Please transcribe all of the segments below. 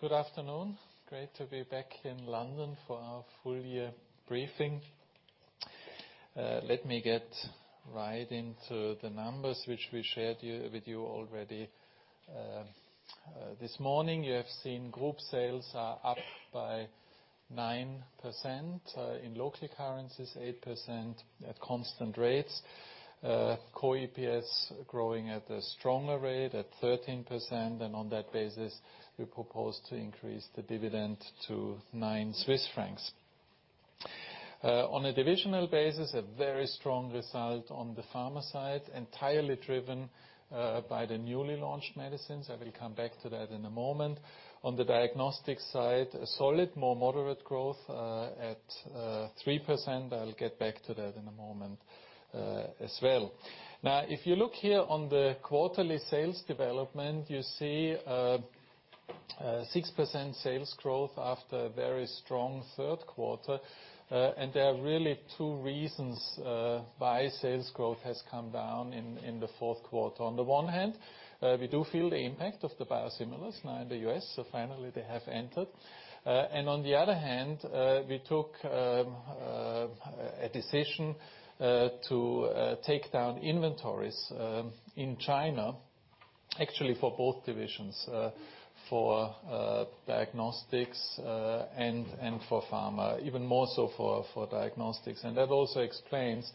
Good afternoon. Great to be back in London for our full year briefing. Let me get right into the numbers, which we shared with you already. This morning, you have seen group sales are up by 9%, in local currencies, 8% at constant rates. Core EPS growing at a stronger rate at 13%, and on that basis, we propose to increase the dividend to 9 Swiss francs. On a divisional basis, a very strong result on the pharma side, entirely driven by the newly launched medicines. I will come back to that in a moment. On the diagnostic side, a solid, more moderate growth at 3%. I'll get back to that in a moment as well. If you look here on the quarterly sales development, you see a 6% sales growth after a very strong third quarter. There are really two reasons why sales growth has come down in the fourth quarter. On the one hand, we do feel the impact of the biosimilars now in the U.S. Finally, they have entered. On the other hand, we took a decision to take down inventories in China, actually, for both divisions, for diagnostics and for pharma, even more so for diagnostics. That also explains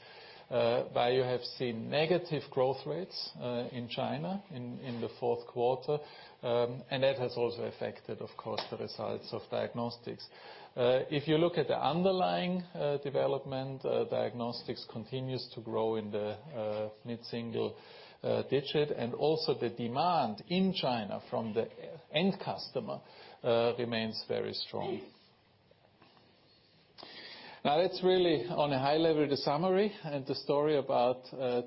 why you have seen negative growth rates in China in the fourth quarter. That has also affected, of course, the results of diagnostics. If you look at the underlying development, diagnostics continues to grow in the mid-single digit, and also the demand in China from the end customer remains very strong. That's really on a high level, the summary and the story about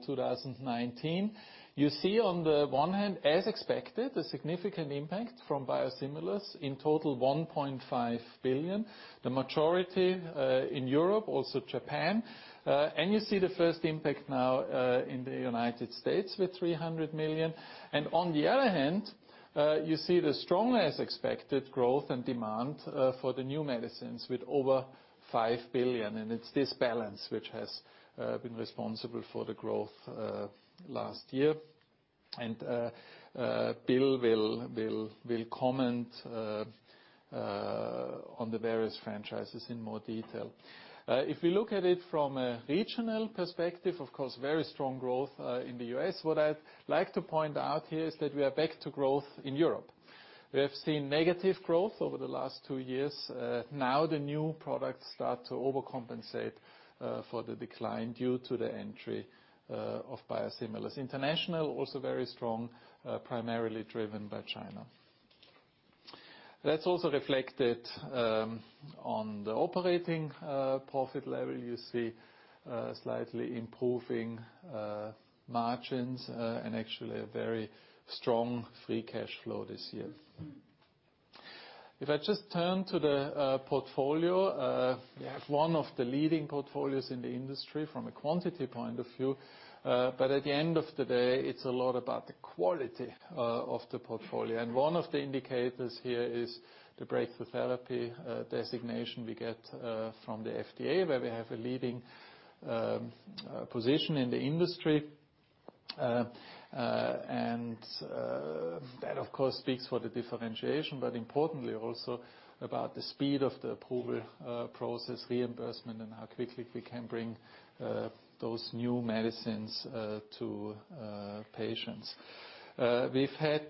2019. You see on the one hand, as expected, a significant impact from biosimilars, in total 1.5 billion, the majority in Europe, also Japan. You see the first impact now in the U.S. with 300 million. On the other hand, you see the strong as expected growth and demand for the new medicines with over 5 billion. It's this balance which has been responsible for the growth last year. Bill will comment on the various franchises in more detail. If we look at it from a regional perspective, of course, very strong growth in the U.S. What I'd like to point out here is that we are back to growth in Europe. We have seen negative growth over the last two years. Now the new products start to overcompensate for the decline due to the entry of biosimilars. International, also very strong, primarily driven by China. That's also reflected on the operating profit level. You see slightly improving margins and actually a very strong free cash flow this year. If I just turn to the portfolio, one of the leading portfolios in the industry from a quantity point of view. At the end of the day, it's a lot about the quality of the portfolio. One of the indicators here is the breakthrough therapy designation we get from the FDA, where we have a leading position in the industry. That, of course, speaks for the differentiation, but importantly also about the speed of the approval process, reimbursement, and how quickly we can bring those new medicines to patients. We've had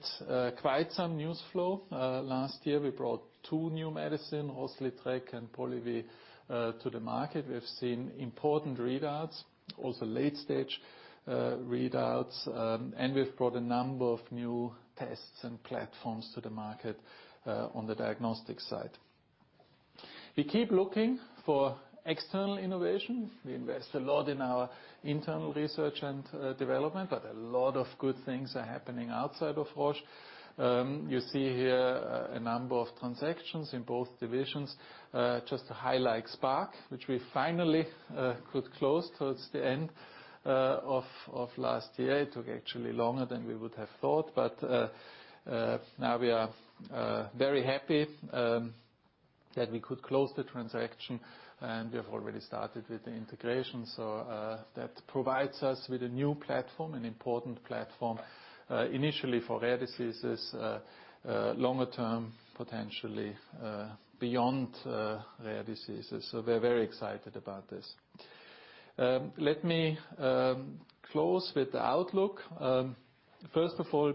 quite some news flow. Last year, we brought two new medicine, Rozlytrek and Polivy, to the market. We have seen important readouts, also late-stage readouts, and we've brought a number of new tests and platforms to the market on the diagnostic side. We keep looking for external innovation. We invest a lot in our internal research and development, but a lot of good things are happening outside of Roche. You see here a number of transactions in both divisions. Just to highlight Spark, which we finally could close towards the end of last year. It took actually longer than we would have thought, but now we are very happy that we could close the transaction, and we have already started with the integration. That provides us with a new platform, an important platform, initially for rare diseases, longer term, potentially beyond rare diseases. We're very excited about this. Let me close with the outlook. First of all,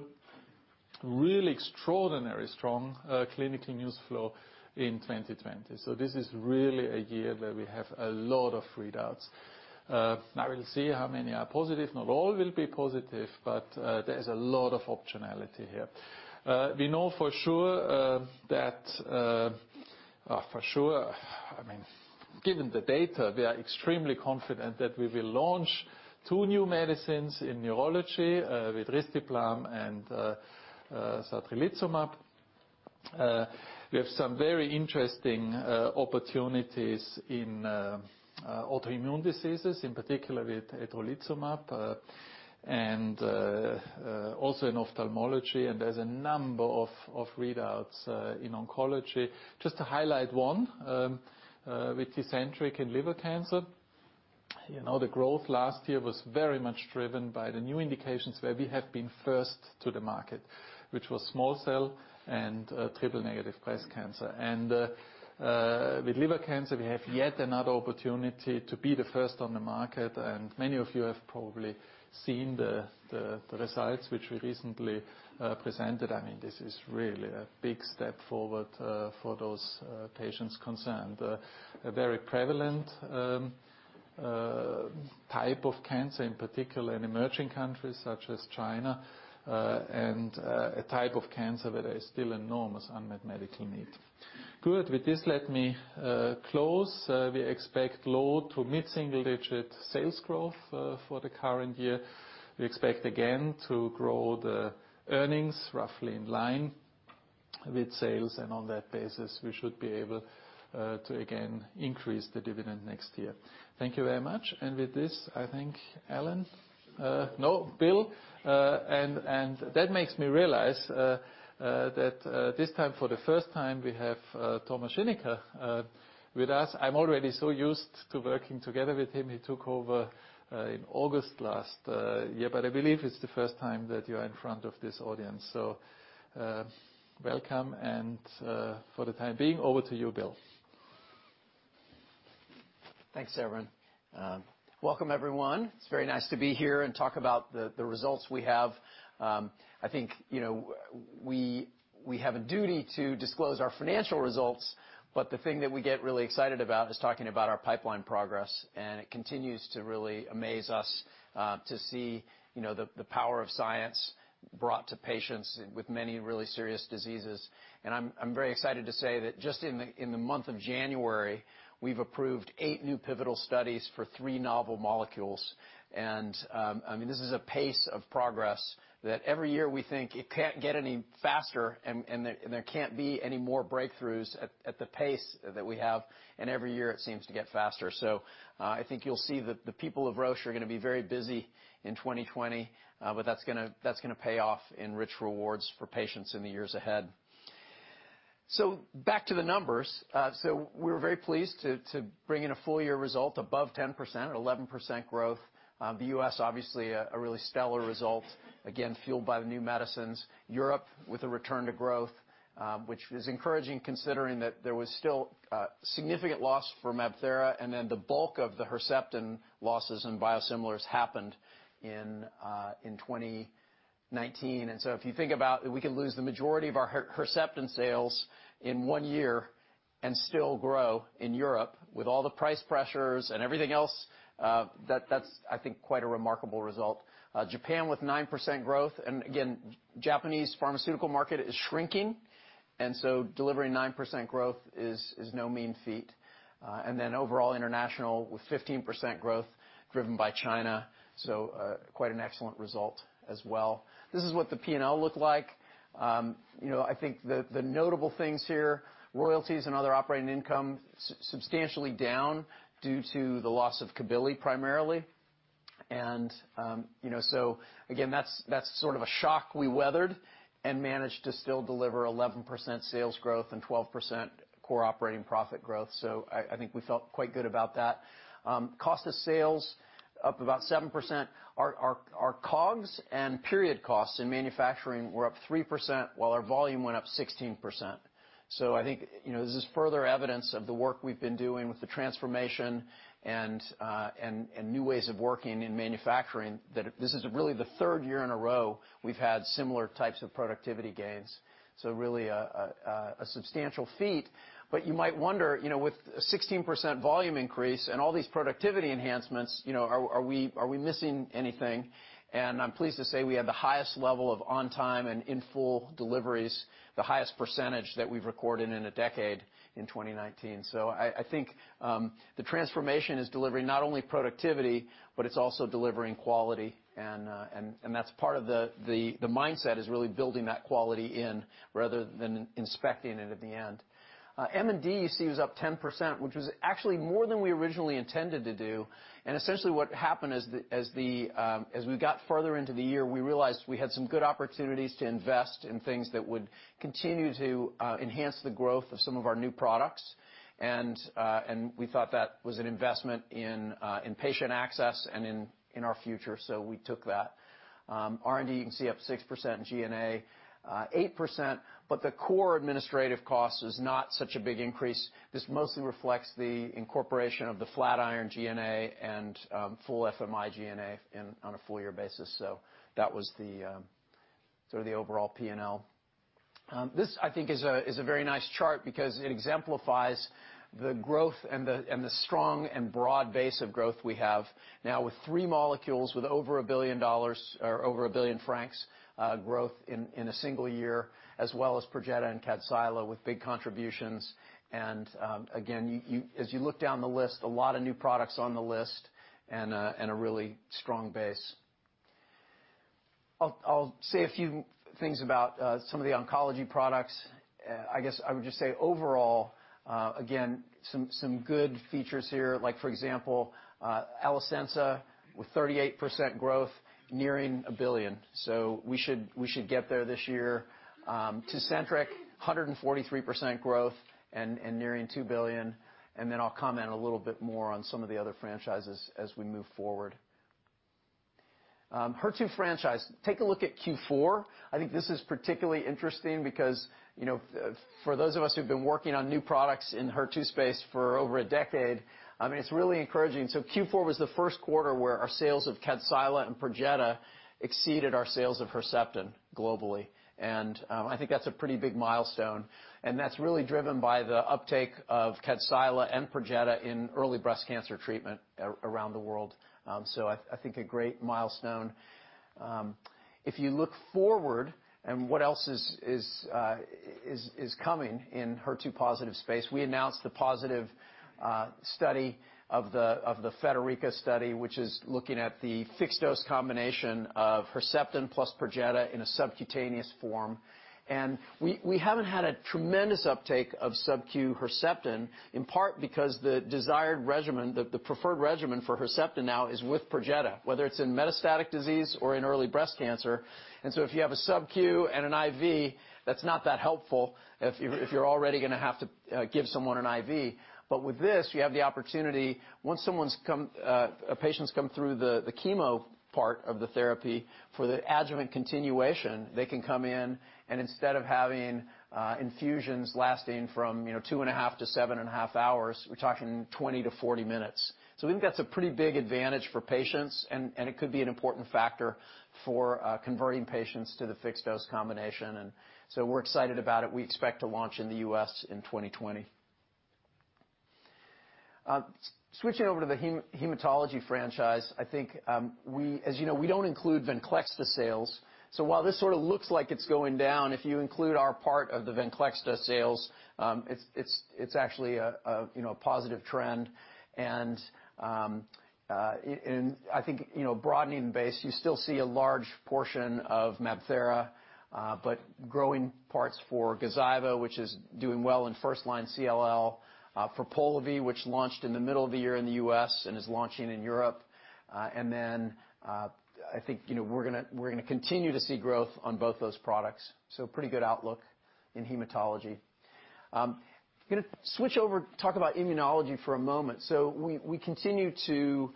really extraordinary strong clinical news flow in 2020. This is really a year where we have a lot of readouts. We'll see how many are positive. Not all will be positive, there is a lot of optionality here. We know for sure that, for sure, I mean, given the data, we are extremely confident that we will launch two new medicines in neurology with risdiplam and satralizumab. We have some very interesting opportunities in autoimmune diseases, in particular with etrolizumab, and also in ophthalmology, and there's a number of readouts in oncology. Just to highlight one, with Tecentriq in liver cancer, the growth last year was very much driven by the new indications where we have been first to the market, which was small cell and triple-negative breast cancer. With liver cancer, we have yet another opportunity to be the first on the market, and many of you have probably seen the results which we recently presented. This is really a big step forward for those patients concerned. A very prevalent type of cancer, in particular in emerging countries such as China, and a type of cancer where there is still enormous unmet medical need. Good. With this, let me close. We expect low to mid-single-digit sales growth for the current year. We expect again to grow the earnings roughly in line with sales, and on that basis, we should be able to again increase the dividend next year. Thank you very much. With this, I think Alan? No, Bill. That makes me realize that this time, for the first time, we have Thomas Schinecker with us. I'm already so used to working together with him. He took over in August last year. I believe it's the first time that you're in front of this audience. Welcome, and for the time being, over to you, Bill. Thanks, Severin. Welcome, everyone. It's very nice to be here and talk about the results we have. I think we have a duty to disclose our financial results, but the thing that we get really excited about is talking about our pipeline progress, and it continues to really amaze us to see the power of science brought to patients with many really serious diseases. I'm very excited to say that just in the month of January, we've approved eight new pivotal studies for three novel molecules. This is a pace of progress that every year we think it can't get any faster, and there can't be any more breakthroughs at the pace that we have, and every year it seems to get faster. I think you'll see that the people of Roche are going to be very busy in 2020, but that's going to pay off in rich rewards for patients in the years ahead. Back to the numbers. We were very pleased to bring in a full-year result above 10%, or 11% growth. The U.S., obviously, a really stellar result, again, fueled by the new medicines. Europe with a return to growth, which is encouraging considering that there was still a significant loss for MabThera, and then the bulk of the Herceptin losses in biosimilars happened in 2019. If you think about we could lose the majority of our Herceptin sales in one year and still grow in Europe with all the price pressures and everything else, that's, I think, quite a remarkable result. Japan with 9% growth. Japanese pharmaceutical market is shrinking, so delivering 9% growth is no mean feat. Overall international with 15% growth driven by China, quite an excellent result as well. This is what the P&L looked like. I think the notable things here, royalties and other operating income, substantially down due to the loss of Cabilly primarily. That's sort of a shock we weathered and managed to still deliver 11% sales growth and 12% core operating profit growth. I think we felt quite good about that. Cost of sales up about 7%. Our COGS and period costs in manufacturing were up 3% while our volume went up 16%. I think this is further evidence of the work we've been doing with the transformation and new ways of working in manufacturing, that this is really the third year in a row we've had similar types of productivity gains. Really a substantial feat. You might wonder, with a 16% volume increase and all these productivity enhancements, are we missing anything? I'm pleased to say we had the highest level of on-time and in-full deliveries, the highest percentage that we've recorded in a decade, in 2019. I think the transformation is delivering not only productivity, but it's also delivering quality. That's part of the mindset is really building that quality in rather than inspecting it at the end. M&D you see was up 10%, which was actually more than we originally intended to do. Essentially what happened as we got further into the year, we realized we had some good opportunities to invest in things that would continue to enhance the growth of some of our new products. We thought that was an investment in patient access and in our future, so we took that. R&D, you can see up 6%, G&A 8%. The core administrative cost is not such a big increase. This mostly reflects the incorporation of the Flatiron G&A and full FMI G&A on a full-year basis. That was sort of the overall P&L. This, I think, is a very nice chart because it exemplifies the growth and the strong and broad base of growth we have now with three molecules with over CHF 1 billion growth in a single year, as well as Perjeta and Kadcyla with big contributions. Again, as you look down the list, a lot of new products on the list and a really strong base. I'll say a few things about some of the oncology products. I guess I would just say overall, again, some good features here, like for example, Alecensa with 38% growth nearing 1 billion. We should get there this year. Tecentriq, 143% growth and nearing 2 billion. Then I'll comment a little bit more on some of the other franchises as we move forward. HER2 franchise, take a look at Q4. I think this is particularly interesting because for those of us who've been working on new products in HER2 space for over a decade, it's really encouraging. Q4 was the first quarter where our sales of Kadcyla and Perjeta exceeded our sales of Herceptin globally. I think that's a pretty big milestone, and that's really driven by the uptake of Kadcyla and Perjeta in early breast cancer treatment around the world. I think a great milestone. If you look forward and what else is coming in HER2 positive space, we announced the positive study of the FeDeriCa study, which is looking at the fixed-dose combination of Herceptin plus Perjeta in a subcutaneous form. We haven't had a tremendous uptake of SubQ Herceptin, in part because the preferred regimen for Herceptin now is with Perjeta, whether it's in metastatic disease or in early breast cancer. If you have a SubQ and an IV, that's not that helpful if you're already going to have to give someone an IV. With this, you have the opportunity, once a patient's come through the chemo part of the therapy for the adjuvant continuation, they can come in and instead of having infusions lasting from two and a half to seven and a half hours, we're talking 20 to 40 minutes. We think that's a pretty big advantage for patients, and it could be an important factor for converting patients to the fixed-dose combination. We're excited about it. We expect to launch in the U.S. in 2020. Switching over to the hematology franchise, as you know, we don't include VENCLEXTA sales. While this sort of looks like it's going down, if you include our part of the VENCLEXTA sales, it's actually a positive trend. I think broadening the base, you still see a large portion of MabThera, but growing parts for Gazyva, which is doing well in first-line CLL, for Polivy, which launched in the middle of the year in the U.S. and is launching in Europe. Then I think we're going to continue to see growth on both those products. Pretty good outlook in hematology. Going to switch over, talk about immunology for a moment. We continue to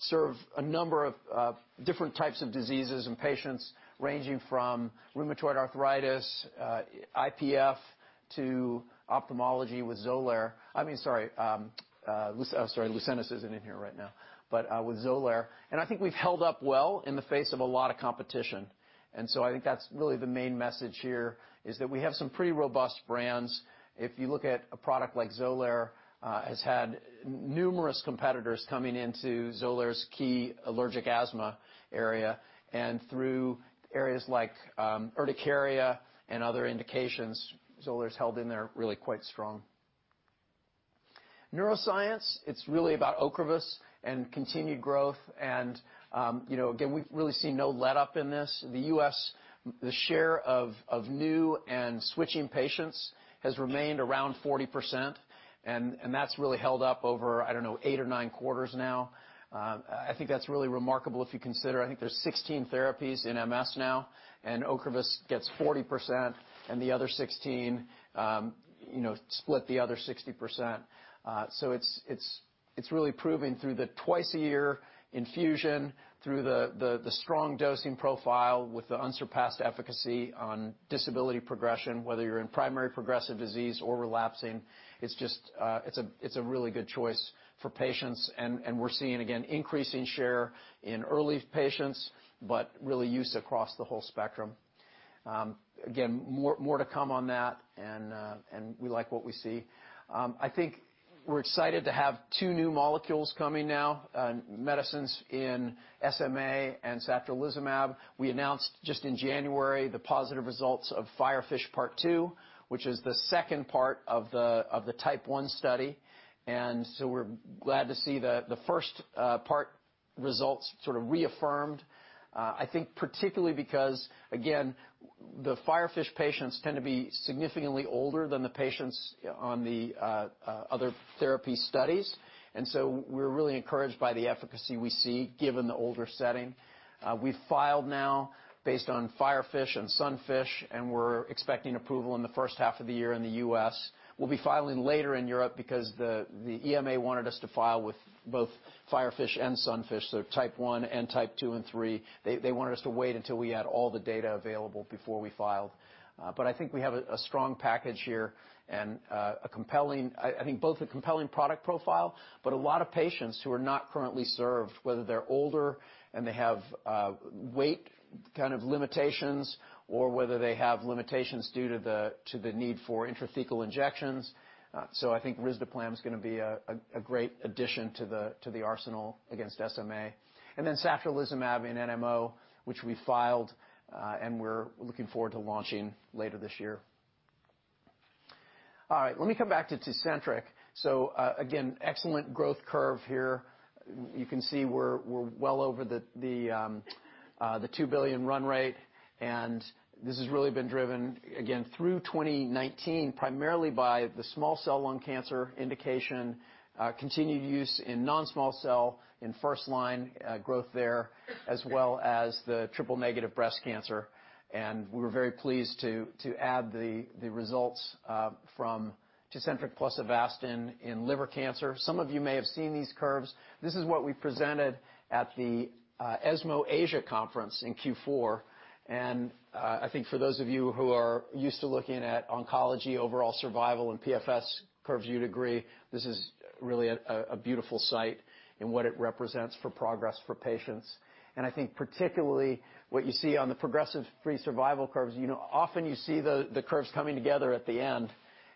serve a number of different types of diseases and patients ranging from rheumatoid arthritis, IPF, to ophthalmology with XOLAIR. Sorry, Lucentis isn't in here right now, but with XOLAIR. I think we've held up well in the face of a lot of competition. I think that's really the main message here is that we have some pretty robust brands. If you look at a product like XOLAIR, has had numerous competitors coming into XOLAIR's key allergic asthma area, and through areas like urticaria and other indications, XOLAIR's held in there really quite strong. Neuroscience, it's really about Ocrevus and continued growth. Again, we've really seen no letup in this. The U.S., the share of new and switching patients has remained around 40%, and that's really held up over, I don't know, eight or nine quarters now. I think that's really remarkable if you consider, I think there's 16 therapies in MS now, and Ocrevus gets 40%, and the other 16 split the other 60%. It's really proving through the twice-a-year infusion, through the strong dosing profile with the unsurpassed efficacy on disability progression, whether you're in primary progressive disease or relapsing. It's a really good choice for patients. We're seeing, again, increasing share in early patients, but really use across the whole spectrum. Again, more to come on that, and we like what we see. I think we're excited to have two new molecules coming now, medicines in SMA and satralizumab. We announced just in January the positive results of FIREFISH Part 2, which is the second part of the Type 1 study. We're glad to see the first part results sort of reaffirmed. I think particularly because, again, the FIREFISH patients tend to be significantly older than the patients on the other therapy studies. We're really encouraged by the efficacy we see given the older setting. We've filed now based on FIREFISH and SUNFISH. We're expecting approval in the first half of the year in the U.S. We'll be filing later in Europe because the EMA wanted us to file with both FIREFISH and SUNFISH, so Type 1 and Type 2 and 3. They wanted us to wait until we had all the data available before we filed. I think we have a strong package here and I think both a compelling product profile, but a lot of patients who are not currently served, whether they're older and they have weight kind of limitations, or whether they have limitations due to the need for intrathecal injections. I think risdiplam is going to be a great addition to the arsenal against SMA. Satralizumab in NMO, which we filed, and we're looking forward to launching later this year. All right. Let me come back to Tecentriq. Again, excellent growth curve here. You can see we're well over the 2 billion run rate, and this has really been driven, again, through 2019, primarily by the small cell lung cancer indication, continued use in non-small cell, in first line growth there, as well as the triple negative breast cancer. We're very pleased to add the results from Tecentriq plus Avastin in liver cancer. Some of you may have seen these curves. This is what we presented at the ESMO Asia conference in Q4. I think for those of you who are used to looking at oncology overall survival and PFS curves, you'd agree this is really a beautiful sight in what it represents for progress for patients. I think particularly what you see on the progressive free survival curves, often you see the curves coming together at the end,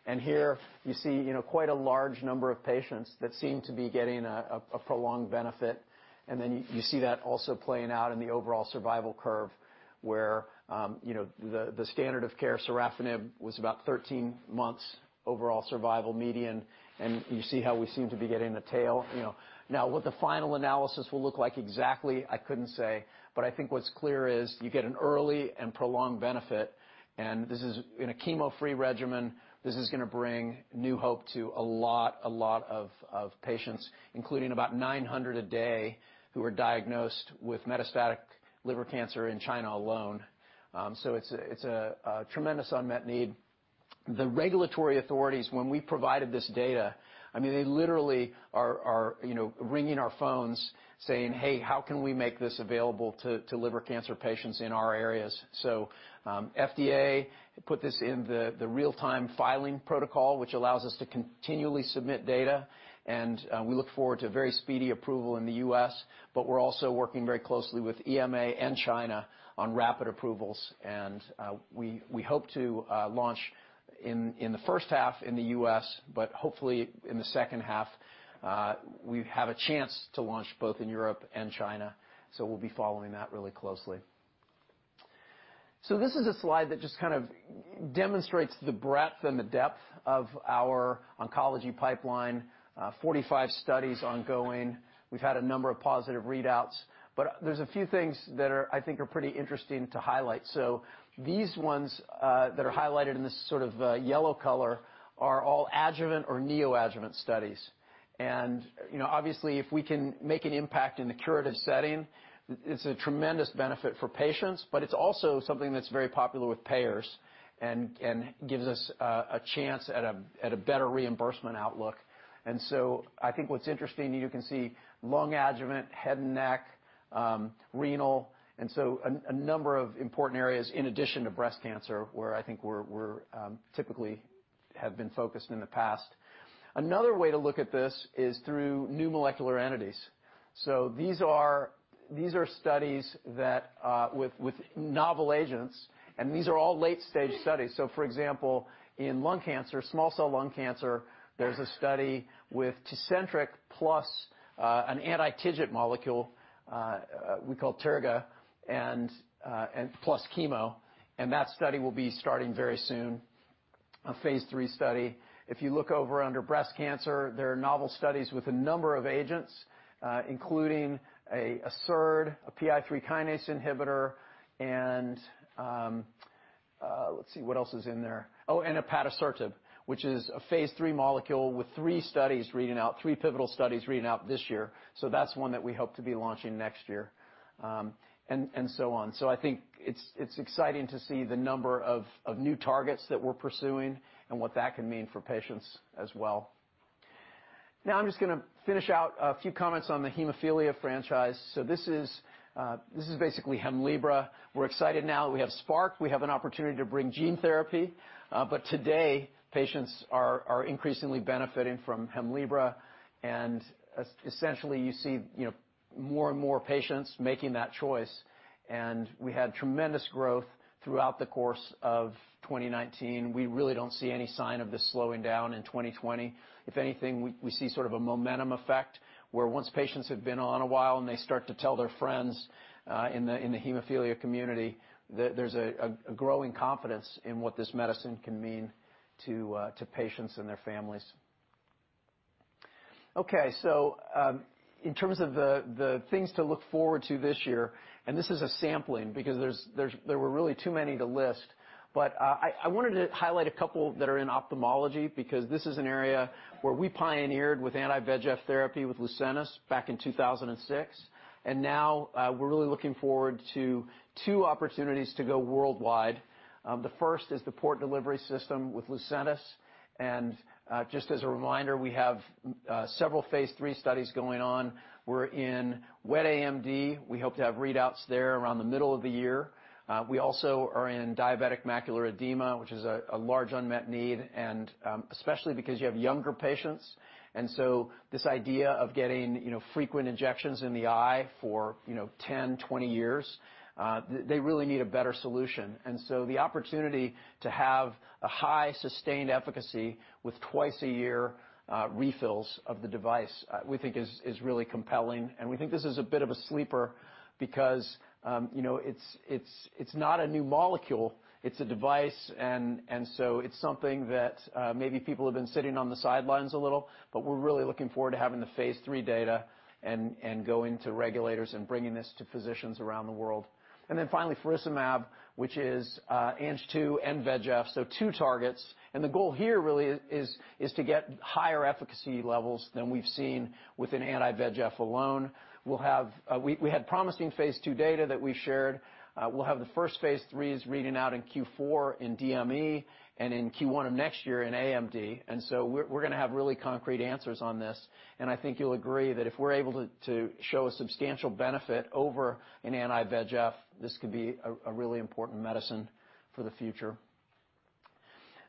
and here you see quite a large number of patients that seem to be getting a prolonged benefit. You see that also playing out in the overall survival curve, where the standard of care, sorafenib, was about 13 months overall survival median, and you see how we seem to be getting the tail. What the final analysis will look like exactly, I couldn't say, but I think what's clear is you get an early and prolonged benefit, and this is in a chemo-free regimen. This is going to bring new hope to a lot of patients, including about 900 a day who are diagnosed with metastatic liver cancer in China alone. It's a tremendous unmet need. The regulatory authorities, when we provided this data, they literally are ringing our phones saying, "Hey, how can we make this available to liver cancer patients in our areas?" FDA put this in the real-time filing protocol, which allows us to continually submit data, and we look forward to very speedy approval in the U.S., but we're also working very closely with EMA and China on rapid approvals. We hope to launch in the first half in the U.S., but hopefully in the second half, we have a chance to launch both in Europe and China. We'll be following that really closely. This is a slide that just kind of demonstrates the breadth and the depth of our oncology pipeline, 45 studies ongoing. We've had a number of positive readouts. There's a few things that I think are pretty interesting to highlight. These ones that are highlighted in this sort of yellow color are all adjuvant or neoadjuvant studies. Obviously, if we can make an impact in the curative setting, it's a tremendous benefit for patients, but it's also something that's very popular with payers and gives us a chance at a better reimbursement outlook. I think what's interesting, you can see lung adjuvant, head and neck, renal, and a number of important areas in addition to breast cancer, where I think we're typically have been focused in the past. Another way to look at this is through new molecular entities. These are studies with novel agents, and these are all late-stage studies. For example, in lung cancer, small cell lung cancer, there's a study with Tecentriq plus an anti-TIGIT molecule we call tiragolumab, plus chemo, and that study will be starting very soon, a phase III study. If you look over under breast cancer, there are novel studies with a number of agents, including a SERD, a PI3K inhibitor, and let's see, what else is in there? Oh, and ipatasertib, which is a phase III molecule with three pivotal studies reading out this year. That's one that we hope to be launching next year. So on. I think it's exciting to see the number of new targets that we're pursuing and what that can mean for patients as well. Now I'm just going to finish out a few comments on the hemophilia franchise. This is basically Hemlibra. We're excited now that we have Spark, we have an opportunity to bring gene therapy. Today, patients are increasingly benefiting from Hemlibra, and essentially you see more and more patients making that choice. We had tremendous growth throughout the course of 2019. We really don't see any sign of this slowing down in 2020. If anything, we see sort of a momentum effect, where once patients have been on a while, and they start to tell their friends in the hemophilia community, there's a growing confidence in what this medicine can mean to patients and their families. Okay. In terms of the things to look forward to this year, and this is a sampling because there were really too many to list. I wanted to highlight a couple that are in ophthalmology because this is an area where we pioneered with anti-VEGF therapy with Lucentis back in 2006, and now we're really looking forward to two opportunities to go worldwide. The first is the port delivery system with Lucentis, and just as a reminder, we have several phase III studies going on. We're in wet AMD. We hope to have readouts there around the middle of the year. We also are in diabetic macular edema, which is a large unmet need, especially because you have younger patients, this idea of getting frequent injections in the eye for 10, 20 years, they really need a better solution. The opportunity to have a high sustained efficacy with twice-a-year refills of the device we think is really compelling. We think this is a bit of a sleeper because it's not a new molecule, it's a device, and so it's something that maybe people have been sitting on the sidelines a little, but we're really looking forward to having the phase III data and going to regulators and bringing this to physicians around the world. Finally faricimab, which is Ang-2 and VEGF, so two targets, and the goal here really is to get higher efficacy levels than we've seen with an anti-VEGF alone. We had promising phase II data that we shared. We'll have the first phase IIIs reading out in Q4 in DME, and in Q1 of next year in AMD, and so we're going to have really concrete answers on this. I think you'll agree that if we're able to show a substantial benefit over an anti-VEGF, this could be a really important medicine for the future.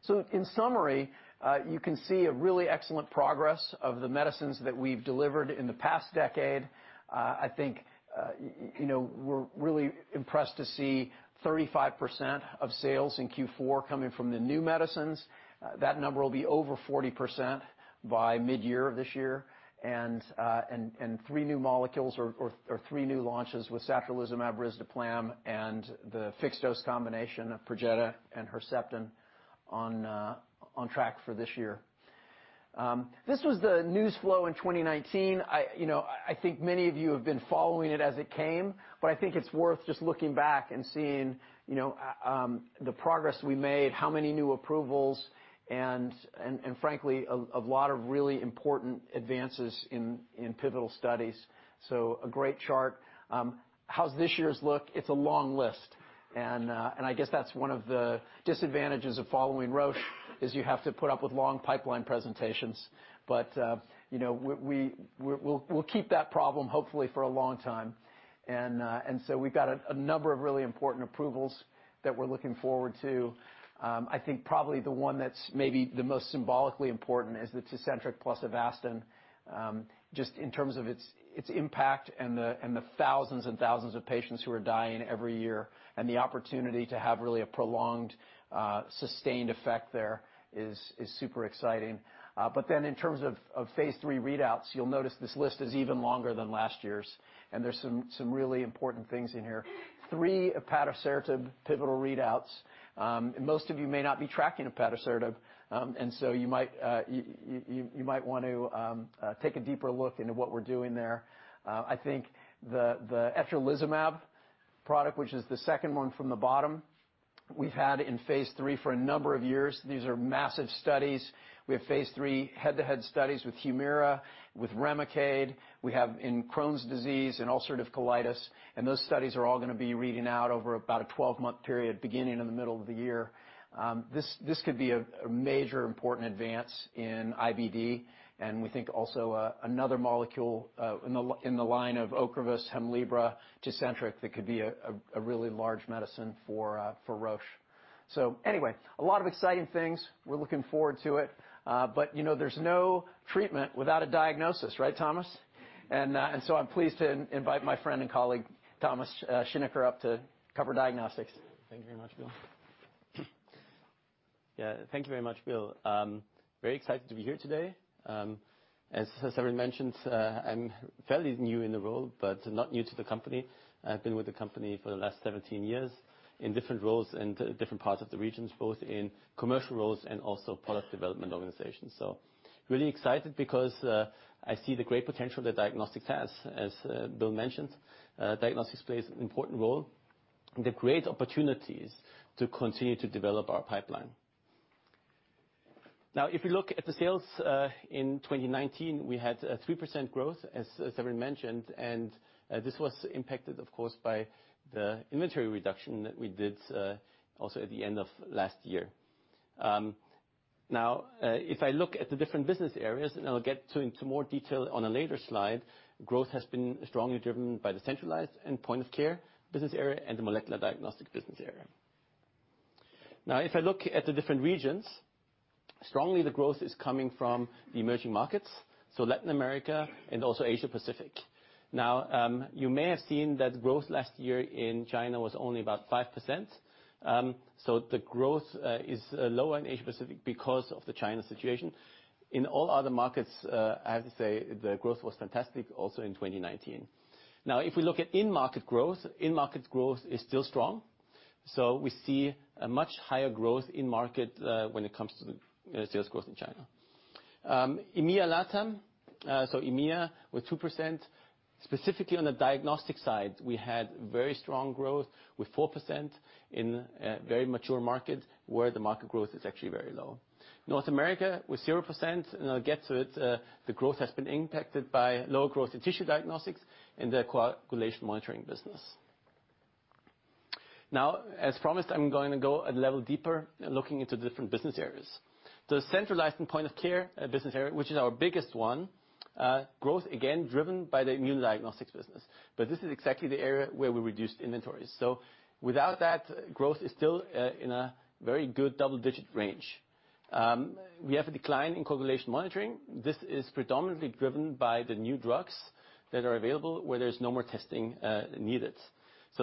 So in summary, you can see a really excellent progress of the medicines that we've delivered in the past decade. I think we're really impressed to see 35% of sales in Q4 coming from the new medicines. That number will be over 40% by midyear of this year. Three new molecules or three new launches with satralizumab, risdiplam, and the fixed dose combination of Perjeta and Herceptin on track for this year. This was the news flow in 2019. I think many of you have been following it as it came, but I think it's worth just looking back and seeing the progress we made, how many new approvals, and frankly, a lot of really important advances in pivotal studies, so a great chart. How does this year's look? It's a long list, I guess that's one of the disadvantages of following Roche, is you have to put up with long pipeline presentations. We'll keep that problem, hopefully for a long time. We've got a number of really important approvals that we're looking forward to. I think probably the one that's maybe the most symbolically important is the Tecentriq plus Avastin, just in terms of its impact and the thousands and thousands of patients who are dying every year, and the opportunity to have really a prolonged, sustained effect there is super exciting. In terms of phase III readouts, you'll notice this list is even longer than last year's, and there's some really important things in here. Three, ipatasertib pivotal readouts. Most of you may not be tracking ipatasertib, and so you might want to take a deeper look into what we're doing there. I think the etrolizumab product, which is the second one from the bottom, we've had in phase III for a number of years. These are massive studies. We have phase III head-to-head studies with Humira, with Remicade. We have in Crohn's disease and ulcerative colitis, and those studies are all going to be reading out over about a 12-month period, beginning in the middle of the year. This could be a major important advance in IBD. We think also another molecule in the line of Ocrevus, Hemlibra, Tecentriq, that could be a really large medicine for Roche. Anyway, a lot of exciting things. We are looking forward to it. There is no treatment without a diagnosis, right, Thomas? I am pleased to invite my friend and colleague, Thomas Schinecker, up to cover diagnostics. Thank you very much, Bill. Thank you very much, Bill. Very excited to be here today. As Severin mentioned, I'm fairly new in the role, but not new to the company. I've been with the company for the last 17 years in different roles and different parts of the regions, both in commercial roles and also product development organizations. Really excited because I see the great potential that diagnostics has. As Bill mentioned, diagnostics plays an important role. They create opportunities to continue to develop our pipeline. If you look at the sales, in 2019, we had a 3% growth, as Severin mentioned, and this was impacted, of course, by the inventory reduction that we did also at the end of last year. If I look at the different business areas, and I'll get into more detail on a later slide, growth has been strongly driven by the centralized and point-of-care business area and the molecular diagnostics business area. If I look at the different regions, strongly the growth is coming from the emerging markets, so Latin America and also Asia Pacific. You may have seen that growth last year in China was only about 5%. The growth is lower in Asia Pacific because of the China situation. In all other markets, I have to say the growth was fantastic, also in 2019. If we look at in-market growth, in-market growth is still strong. We see a much higher growth in market when it comes to the sales growth in China. EMEA LATAM, EMEA with 2%, specifically on the diagnostic side, we had very strong growth with 4% in a very mature market where the market growth is actually very low. North America with 0%, I'll get to it, the growth has been impacted by low growth in tissue diagnostics in the coagulation monitoring business. As promised, I'm going to go a level deeper looking into the different business areas. The centralized and point-of-care business area, which is our biggest one, growth, again, driven by the immune diagnostics business. This is exactly the area where we reduced inventories. Without that, growth is still in a very good double-digit range. We have a decline in coagulation monitoring. This is predominantly driven by the new drugs that are available where there's no more testing needed.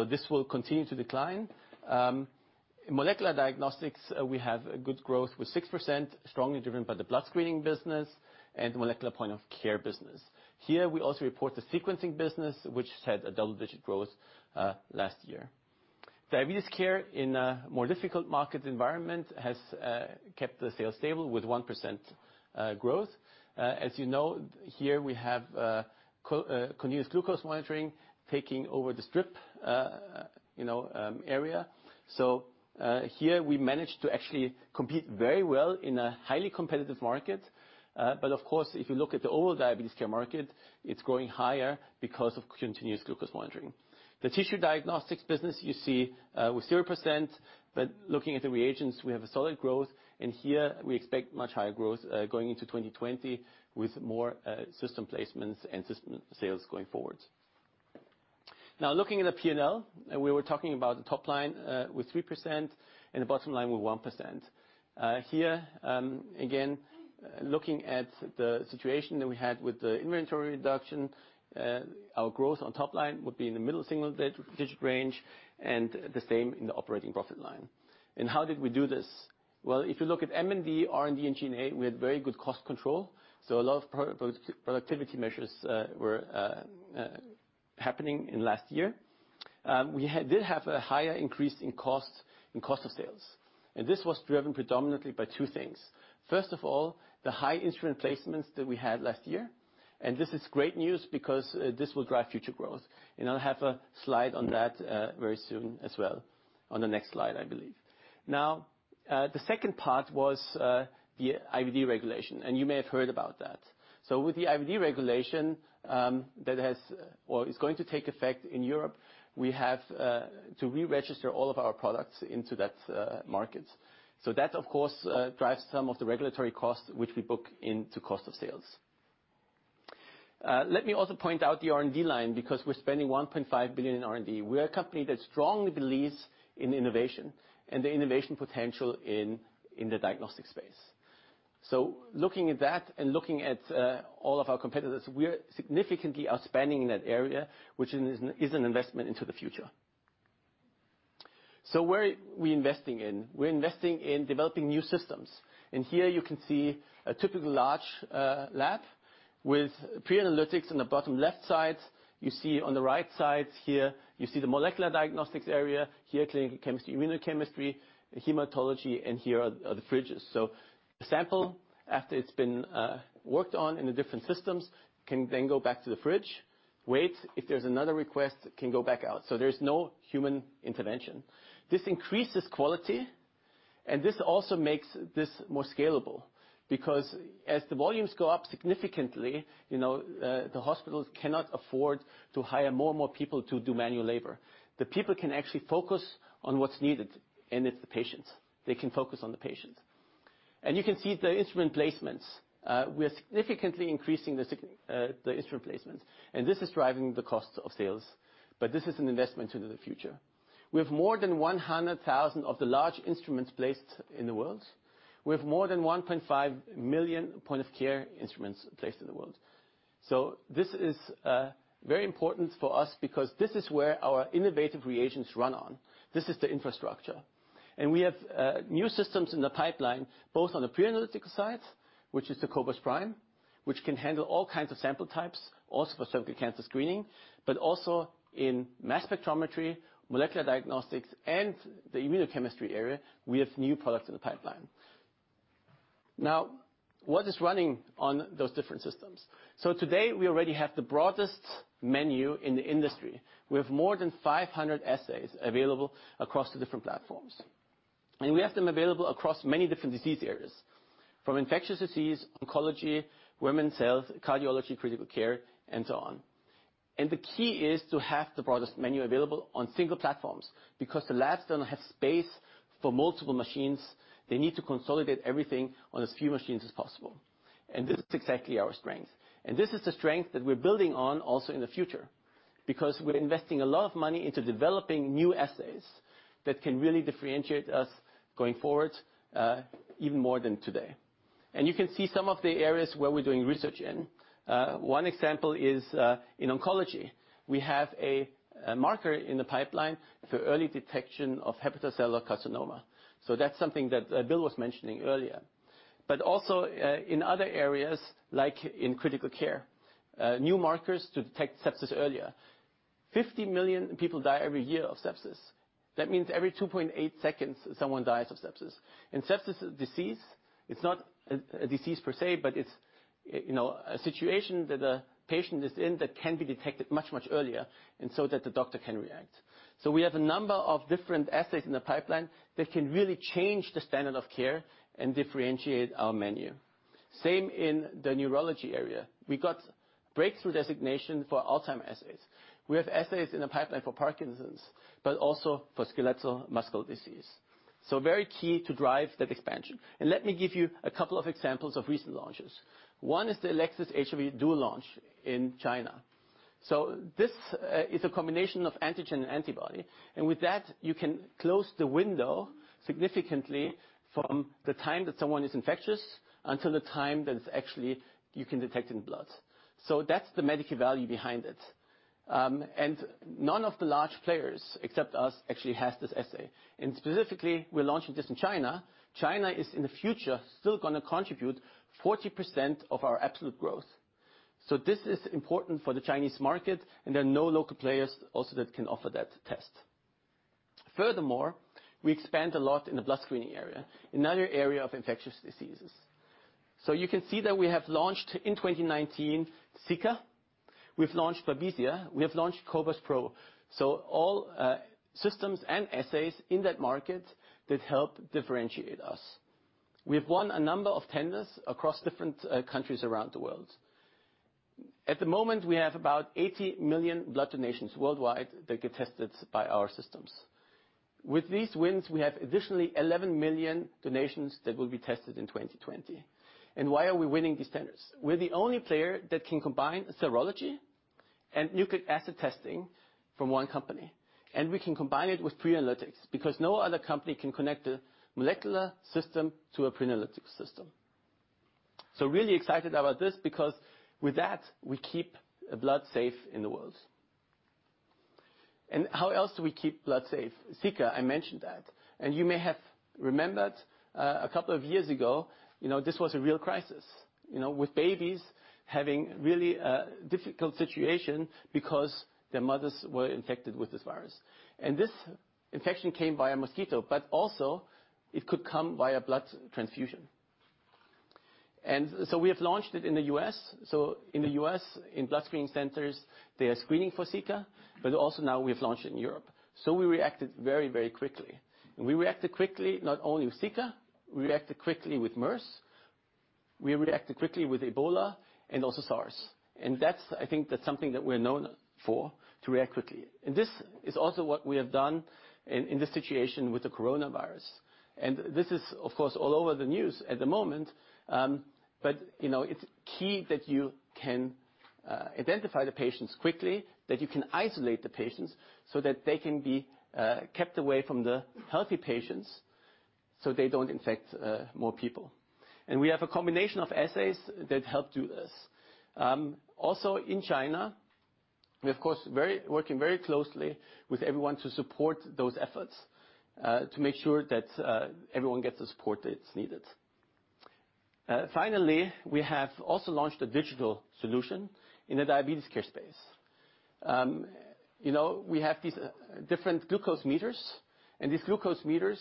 This will continue to decline. In molecular diagnostics, we have a good growth with 6%, strongly driven by the blood screening business and molecular point-of-care business. Here, we also report the sequencing business, which had a double-digit growth last year. Diabetes care in a more difficult market environment has kept the sales stable with 1% growth. As you know, here we have continuous glucose monitoring taking over the strip area. Here we managed to actually compete very well in a highly competitive market. Of course, if you look at the overall diabetes care market, it's growing higher because of continuous glucose monitoring. The tissue diagnostics business you see with 0%. Looking at the reagents, we have a solid growth. Here we expect much higher growth going into 2020 with more system placements and system sales going forward. Looking at the P&L, we were talking about the top line with 3% and the bottom line with 1%. Here, again, looking at the situation that we had with the inventory reduction, our growth on top line would be in the middle single digit range. The same in the operating profit line. How did we do this? Well, if you look at M&D, R&D, and G&A, we had very good cost control. A lot of productivity measures were happening in last year. We did have a higher increase in cost of sales. This was driven predominantly by two things. First of all, the high instrument placements that we had last year. This is great news because this will drive future growth. I'll have a slide on that very soon as well, on the next slide, I believe. The second part was the IVD Regulation, and you may have heard about that. With the IVD Regulation that is going to take effect in Europe, we have to re-register all of our products into that market. That, of course, drives some of the regulatory costs, which we book into cost of sales. Let me also point out the R&D line, because we're spending 1.5 billion in R&D. We are a company that strongly believes in innovation and the innovation potential in the diagnostic space. Looking at that and looking at all of our competitors, we significantly are spending in that area, which is an investment into the future. Where are we investing in? We're investing in developing new systems. Here you can see a typical large lab with pre-analytics on the bottom left side. You see on the right side here, you see the molecular diagnostics area. Here, clinical chemistry, immunochemistry, hematology, and here are the fridges. The sample, after it's been worked on in the different systems, can then go back to the fridge, wait. If there's another request, it can go back out. There's no human intervention. This increases quality, and this also makes this more scalable because as the volumes go up significantly, the hospitals cannot afford to hire more and more people to do manual labor. The people can actually focus on what's needed, and it's the patients. They can focus on the patient. You can see the instrument placements. We are significantly increasing the instrument placements, and this is driving the cost of sales, but this is an investment into the future. We have more than 100,000 of the large instruments placed in the world. We have more than 1.5 million point of care instruments placed in the world. This is very important for us because this is where our innovative reagents run on. This is the infrastructure. We have new systems in the pipeline, both on the pre-analytical side, which is the cobas prime, which can handle all kinds of sample types, also for cervical cancer screening. Also in mass spectrometry, molecular diagnostics, and the immunochemistry area, we have new products in the pipeline. Now, what is running on those different systems? Today, we already have the broadest menu in the industry. We have more than 500 assays available across the different platforms. We have them available across many different disease areas, from infectious disease, oncology, women's health, cardiology, critical care, and so on. The key is to have the broadest menu available on single platforms because the labs don't have space for multiple machines. They need to consolidate everything on as few machines as possible. This is exactly our strength. This is the strength that we're building on also in the future, because we're investing a lot of money into developing new assays that can really differentiate us going forward, even more than today. You can see some of the areas where we're doing research in. One example is in oncology. We have a marker in the pipeline for early detection of hepatocellular carcinoma. That's something that Bill was mentioning earlier. Also in other areas, like in critical care, new markers to detect sepsis earlier. 50 million people die every year of sepsis. That means every 2.8 seconds, someone dies of sepsis. Sepsis is a disease. It's not a disease per se, but it's a situation that a patient is in that can be detected much earlier so that the doctor can react. We have a number of different assays in the pipeline that can really change the standard of care and differentiate our menu. Same in the neurology area. We got Breakthrough Designation for Alzheimer's assays. We have assays in the pipeline for Parkinson's, but also for skeletal muscle disease. Very key to drive that expansion. Let me give you a couple of examples of recent launches. One is the Elecsys HIV Duo launch in China. This is a combination of antigen and antibody. With that, you can close the window significantly from the time that someone is infectious until the time that it's actually, you can detect in blood. That's the medical value behind it. None of the large players, except us, actually has this assay. Specifically, we're launching this in China. China is, in the future, still going to contribute 40% of our absolute growth. This is important for the Chinese market, and there are no local players also that can offer that test. Furthermore, we expand a lot in the blood screening area, another area of infectious diseases. You can see that we have launched in 2019, Zika. We've launched Babesia. We have launched cobas pro. All systems and assays in that market that help differentiate us. We have won a number of tenders across different countries around the world. At the moment, we have about 80 million blood donations worldwide that get tested by our systems. With these wins, we have additionally 11 million donations that will be tested in 2020. Why are we winning these tenders? We're the only player that can combine serology and nucleic acid testing from one company, and we can combine it with pre-analytics because no other company can connect a molecular system to a pre-analytic system. Really excited about this because with that, we keep blood safe in the world. How else do we keep blood safe? Zika, I mentioned that. You may have remembered a couple of years ago, this was a real crisis, with babies having really a difficult situation because their mothers were infected with this virus. This infection came by a mosquito, but also it could come by a blood transfusion. We have launched it in the U.S. In the U.S., in blood screening centers, they are screening for Zika, but also now we have launched in Europe. We reacted very quickly. We reacted quickly, not only with Zika, we reacted quickly with MERS, we reacted quickly with Ebola and also SARS. I think that's something that we're known for, to react quickly. This is also what we have done in this situation with the coronavirus. This is, of course, all over the news at the moment. It's key that you can identify the patients quickly, that you can isolate the patients, so that they can be kept away from the healthy patients, so they don't infect more people. We have a combination of assays that help do this. Also in China, we, of course, working very closely with everyone to support those efforts, to make sure that everyone gets the support that's needed. Finally, we have also launched a digital solution in the diabetes care space. We have these different glucose meters, and these glucose meters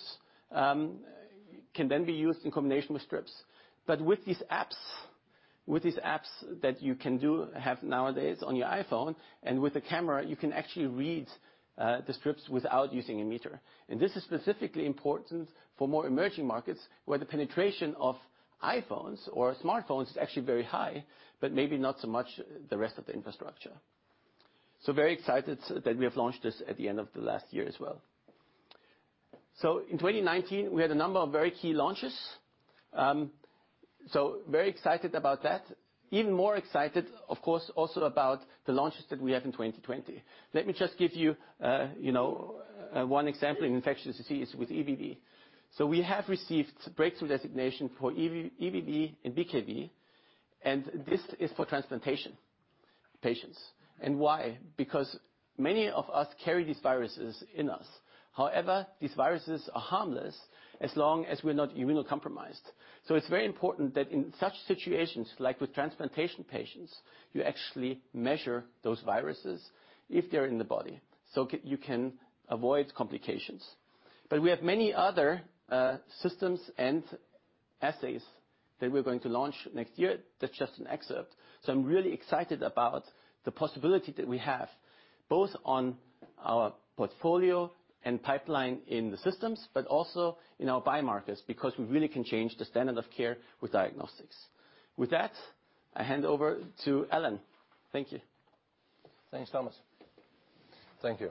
can then be used in combination with strips. With these apps that you can have nowadays on your iPhone and with a camera, you can actually read the strips without using a meter. This is specifically important for more emerging markets where the penetration of iPhones or smartphones is actually very high, but maybe not so much the rest of the infrastructure. Very excited that we have launched this at the end of the last year as well. In 2019, we had a number of very key launches. Very excited about that. Even more excited, of course, also about the launches that we have in 2020. Let me just give you one example in infectious disease with EBV. We have received Breakthrough Designation for EBV and BKV, and this is for transplantation patients. Why? Because many of us carry these viruses in us. However, these viruses are harmless as long as we're not immunocompromised. It's very important that in such situations, like with transplantation patients, you actually measure those viruses if they're in the body, so you can avoid complications. We have many other systems and assays that we're going to launch next year. That's just an excerpt. I'm really excited about the possibility that we have, both on our portfolio and pipeline in the systems, but also in our biomarkers, because we really can change the standard of care with diagnostics. With that, I hand over to Alan. Thank you. Thanks, Thomas. Thank you.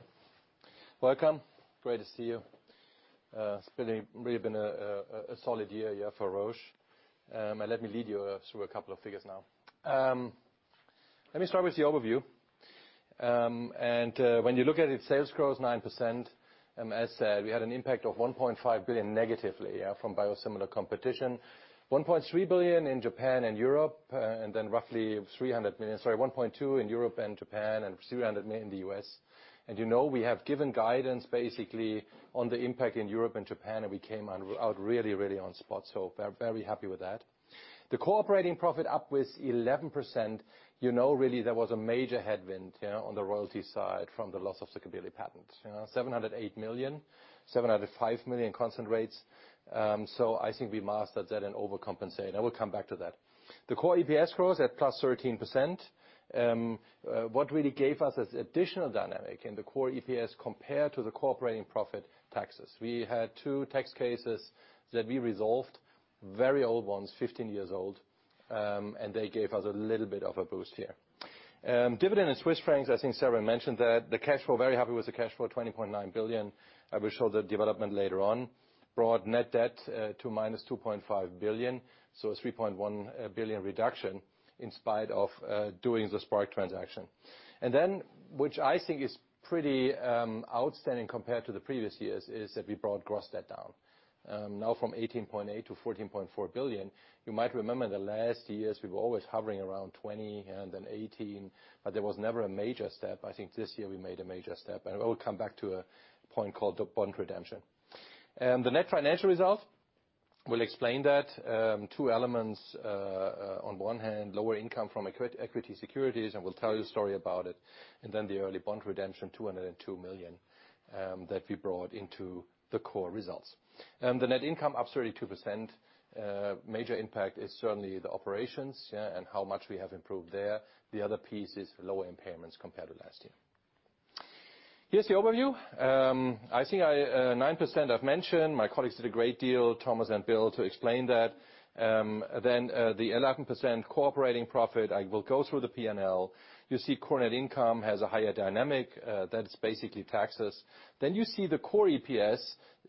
Welcome. Great to see you. It's really been a solid year here for Roche. Let me lead you through a couple of figures now. Let me start with the overview. When you look at it, sales growth 9%, as said, we had an impact of 1.5 billion negatively from biosimilar competition, 1.3 billion in Japan and Europe, then roughly 300 million, sorry, 1.2 in Europe and Japan, and 300 million in the U.S. You know we have given guidance basically on the impact in Europe and Japan, and we came out really on spot. Very happy with that. The core operating profit up with 11%, you know really there was a major headwind on the royalty side from the loss of Cabilly patent, 708 million, 705 million constant rates. I think we mastered that and overcompensated. I will come back to that. The core EPS growth at +13%. What really gave us additional dynamic in the core EPS compared to the core operating profit taxes. We had two tax cases that we resolved, very old ones, 15 years old, and they gave us a little bit of a boost here. Dividend in Swiss francs, I think Severin mentioned that. The cash flow, very happy with the cash flow, 20.9 billion. I will show the development later on. Brought net debt to -2.5 billion, so a 3.1 billion reduction in spite of doing the Spark transaction. Then, which I think is pretty outstanding compared to the previous years, is that we brought gross debt down. Now from 18.8 billion to 14.4 billion. You might remember in the last years we were always hovering around 20 billion and then 18 billion, but there was never a major step. I think this year we made a major step. I will come back to a point called the bond redemption. The net financial result, we'll explain that. Two elements, on one hand, lower income from equity securities, and we'll tell you a story about it, and then the early bond redemption, 202 million, that we brought into the core results. The net income up 32%, major impact is certainly the operations and how much we have improved there. The other piece is lower impairments compared to last year. Here's the overview. I think 9% I've mentioned. My colleagues did a great deal, Thomas and Bill, to explain that. The 11% core operating profit, I will go through the P&L. You see core net income has a higher dynamic. That's basically taxes. You see the core EPS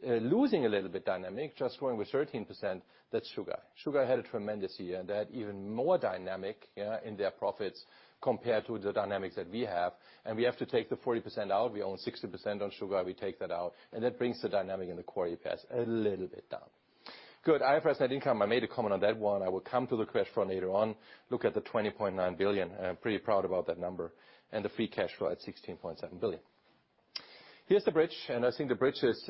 losing a little bit dynamic, just growing with 13%. That's Chugai. Chugai had a tremendous year. They had even more dynamic in their profits compared to the dynamics that we have. We have to take the 40% out. We own 60% on Chugai. We take that out and that brings the dynamic in the core EPS a little bit down. Good. IFRS net income. I made a comment on that one. I will come to the question later on. Look at the 20.9 billion. I'm pretty proud about that number, and the free cash flow at 16.7 billion. Here's the bridge, I think the bridge is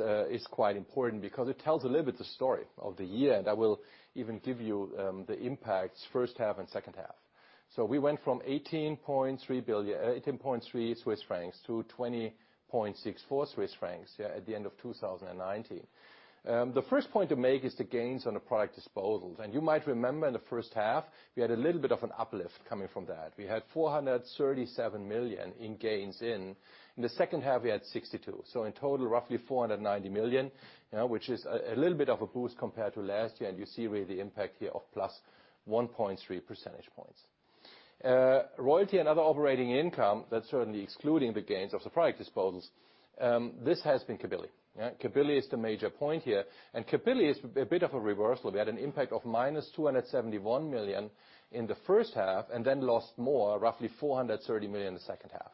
quite important because it tells a little bit the story of the year. I will even give you the impacts first half and second half. So we went from 18.3 Swiss francs to 20.64 Swiss francs at the end of 2019. The first point to make is the gains on the product disposals. You might remember in the first half, we had a little bit of an uplift coming from that. We had 437 million in gains in. In the second half, we had 62 million. In total, roughly 490 million, which is a little bit of a boost compared to last year. You see really the impact here of +1.3 percentage points. Royalty and other operating income, that's certainly excluding the gains of the product disposals. This has been Cabilly. Cabilly is the major point here, and Cabilly is a bit of a reversal. We had an impact of -271 million in the first half, and then lost more, roughly 430 million in the second half.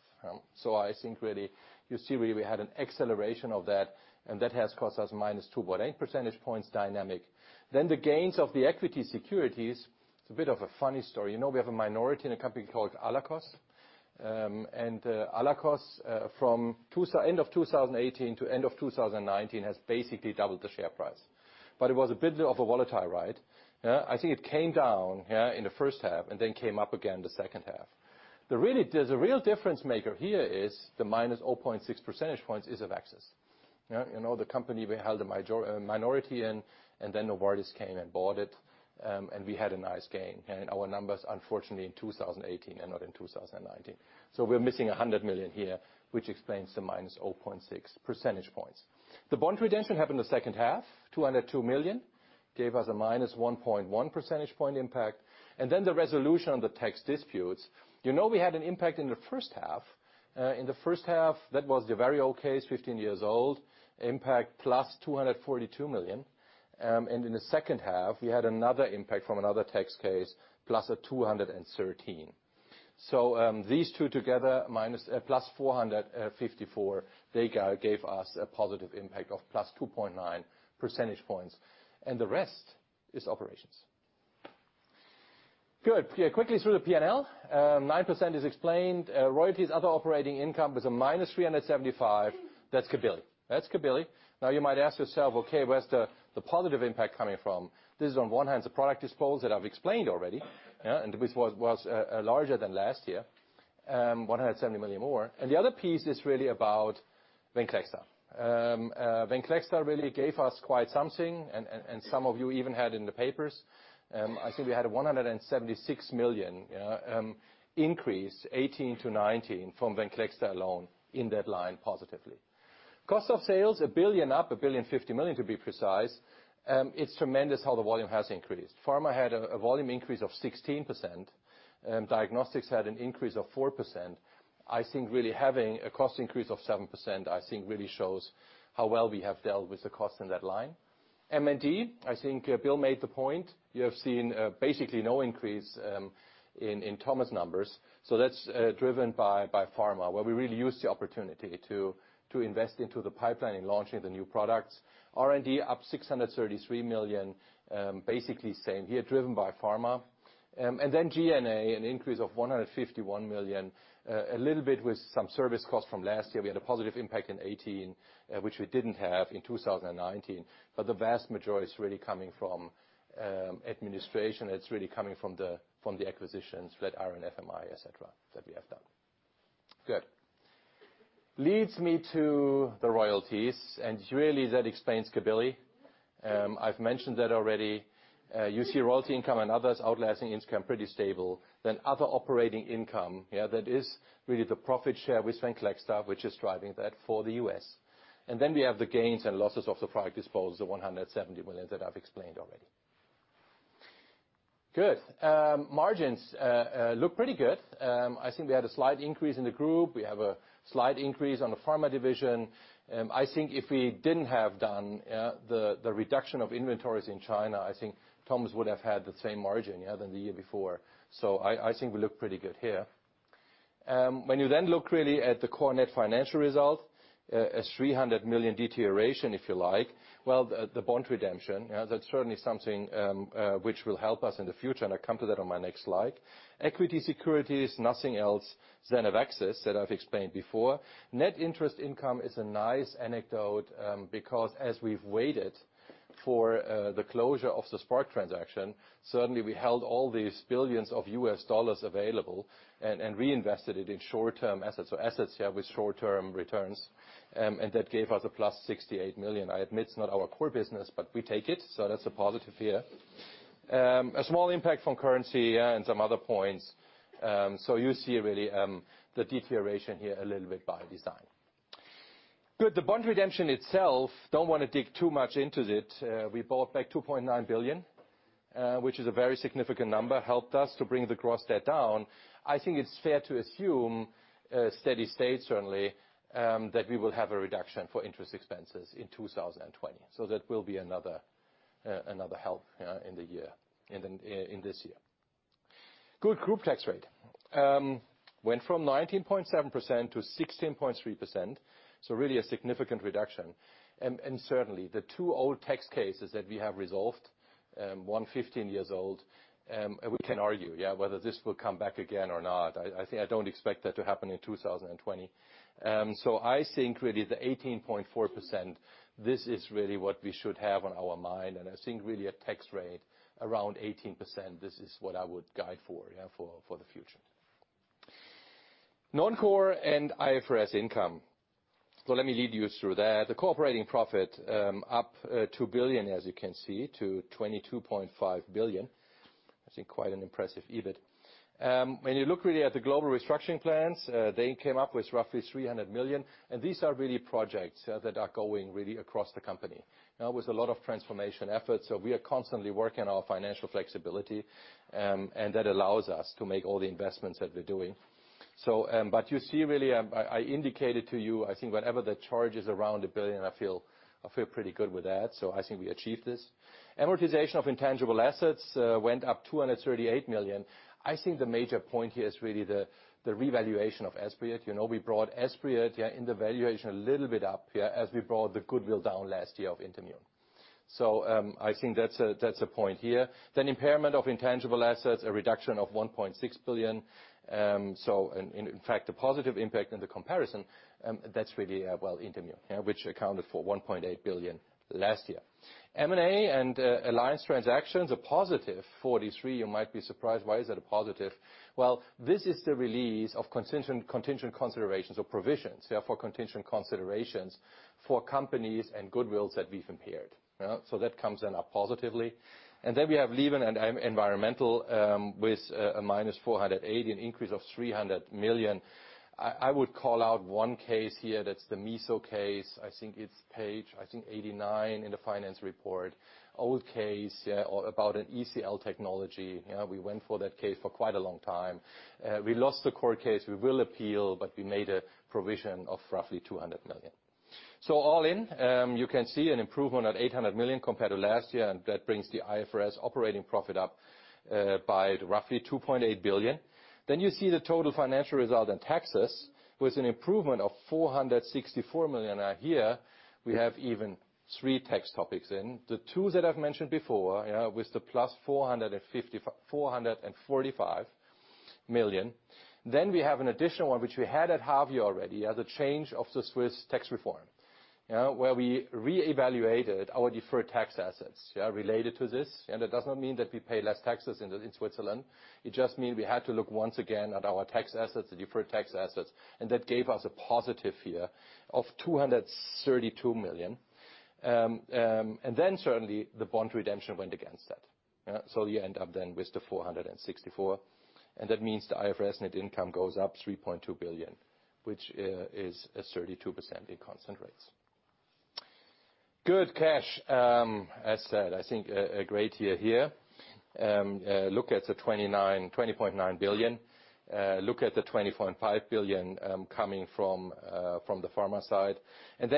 I think really, you see we had an acceleration of that, and that has cost us -2.8 percentage points dynamic. The gains of the equity securities. It's a bit of a funny story. We have a minority in a company called Allakos. Allakos from end of 2018 to end of 2019 has basically doubled the share price. It was a bit of a volatile ride. I think it came down in the first half and then came up again the second half. The real difference maker here is the -0.6 percentage points is of Access. The company we held a minority in, and then Novartis came and bought it, and we had a nice gain. Our numbers, unfortunately, in 2018 and not in 2019. We're missing 100 million here, which explains the minus 0.6 percentage points. The bond redemption happened the second half. 202 million gave us a -1.1 percentage point impact. The resolution on the tax disputes. You know we had an impact in the first half. In the first half, that was the very old case, 15 years old, impact +242 million. In the second half, we had another impact from another tax case, +213. These two together, +454, they gave us a positive impact of +2.9 percentage points, and the rest is operations. Good. Quickly through the P&L. 9% is explained. Royalties, other operating income is a -375. That's Cabilly. You might ask yourself, "Okay, where's the positive impact coming from?" This is on one hand, the product dispose that I've explained already, and was larger than last year. 170 million more. The other piece is really about VENCLEXTA. VENCLEXTA really gave us quite something, and some of you even had in the papers. I think we had 176 million increase 2018 to 2019 from VENCLEXTA alone in that line positively. Cost of sales, 1 billion up, 1,050,000,000 to be precise. It's tremendous how the volume has increased. Pharma had a volume increase of 16%. Diagnostics had an increase of 4%. I think really having a cost increase of 7%, I think really shows how well we have dealt with the cost in that line. M&D, I think Bill made the point. You have seen basically no increase in Thomas' numbers. That's driven by pharma, where we really used the opportunity to invest into the pipeline in launching the new products. R&D up 633 million. Basically same here, driven by pharma. G&A, an increase of 151 million. A little bit with some service costs from last year. We had a positive impact in 2018, which we didn't have in 2019. The vast majority is really coming from administration. It's really coming from the acquisitions, Flatiron Health FMI, et cetera, that we have done. Leads me to the royalties, and really that explains Cabilly. I've mentioned that already. You see royalty income and others, outlicensing income pretty stable. Other operating income, that is really the profit share with VENCLEXTA, which is driving that for the U.S. We have the gains and losses of the product dispose, the 170 million that I've explained already. Margins look pretty good. I think we had a slight increase in the group. We have a slight increase on the pharma division. I think if we didn't have done the reduction of inventories in China, I think Thomas would have had the same margin than the year before. I think we look pretty good here. When you then look really at the core net financial result, a 300 million deterioration, if you like. Well, the bond redemption. That's certainly something which will help us in the future, and I come to that on my next slide. Equity securities, nothing else than of Access that I've explained before. Net interest income is a nice anecdote because, as we've waited for the closure of the Spark transaction, certainly we held all these billions of US dollars available and reinvested it in short-term assets, so assets with short-term returns, and that gave us a plus $68 million. I admit it's not our core business, but we take it, so that's a positive here. A small impact from currency, and some other points. You see really the deterioration here a little bit by design. Good. The bond redemption itself, don't want to dig too much into it. We bought back 2.9 billion, which is a very significant number, helped us to bring the gross debt down. I think it's fair to assume, steady state certainly, that we will have a reduction for interest expenses in 2020. That will be another help in this year. Good. Group tax rate. Went from 19.7% to 16.3%, so really a significant reduction. Certainly the two old tax cases that we have resolved, one 15 years old. We can argue whether this will come back again or not. I don't expect that to happen in 2020. I think really the 18.4%, this is really what we should have on our mind. I think really a tax rate around 18%, this is what I would guide for, yeah, for the future. Non-core and IFRS income. Let me lead you through that. The core operating profit up 2 billion, as you can see, to 22.5 billion. I think quite an impressive EBIT. When you look really at the global restructuring plans, they came up with roughly 300 million, and these are really projects that are going really across the company. With a lot of transformation efforts, so we are constantly working on our financial flexibility, and that allows us to make all the investments that we're doing. You see really, I indicated to you, I think whenever the charge is around 1 billion, I feel pretty good with that. I think we achieved this. Amortization of intangible assets went up 238 million. I think the major point here is really the revaluation of Esbriet. We brought Esbriet in the valuation a little bit up, as we brought the goodwill down last year of InterMune. I think that's a point here. Impairment of intangible assets, a reduction of 1.6 billion. In fact, a positive impact in the comparison. That's really InterMune, which accounted for 1.8 billion last year. M&A and alliance transactions, a +43 million. You might be surprised why is that a positive. This is the release of contingent considerations or provisions, therefore contingent considerations for companies and goodwills that we've impaired. That comes in positively. We have legal and environmental with a -480 million, an increase of 300 million. I would call out one case here. That's the Meso case. It's page 89 in the finance report. Old case about an ECL technology. We went for that case for quite a long time. We lost the core case. We will appeal. We made a provision of roughly 200 million. All in, you can see an improvement at 800 million compared to last year, and that brings the IFRS operating profit up by roughly 2.8 billion. You see the total financial result in taxes with an improvement of 464 million. Here, we have even three tax topics in. The two that I've mentioned before, with the plus 445 million. We have an additional one, which we had at half year already, the change of the Swiss tax reform. Where we reevaluated our deferred tax assets related to this. It does not mean that we pay less taxes in Switzerland. It just mean we had to look once again at our tax assets, the deferred tax assets, that gave us a positive here of 232 million. Certainly, the bond redemption went against that. You end up then with the 464, that means the IFRS net income goes up 3.2 billion, which is a 32% in constant rates. Good. Cash. As said, I think a great year here. Look at the 20.9 billion. Look at the 20.5 billion coming from the pharma side.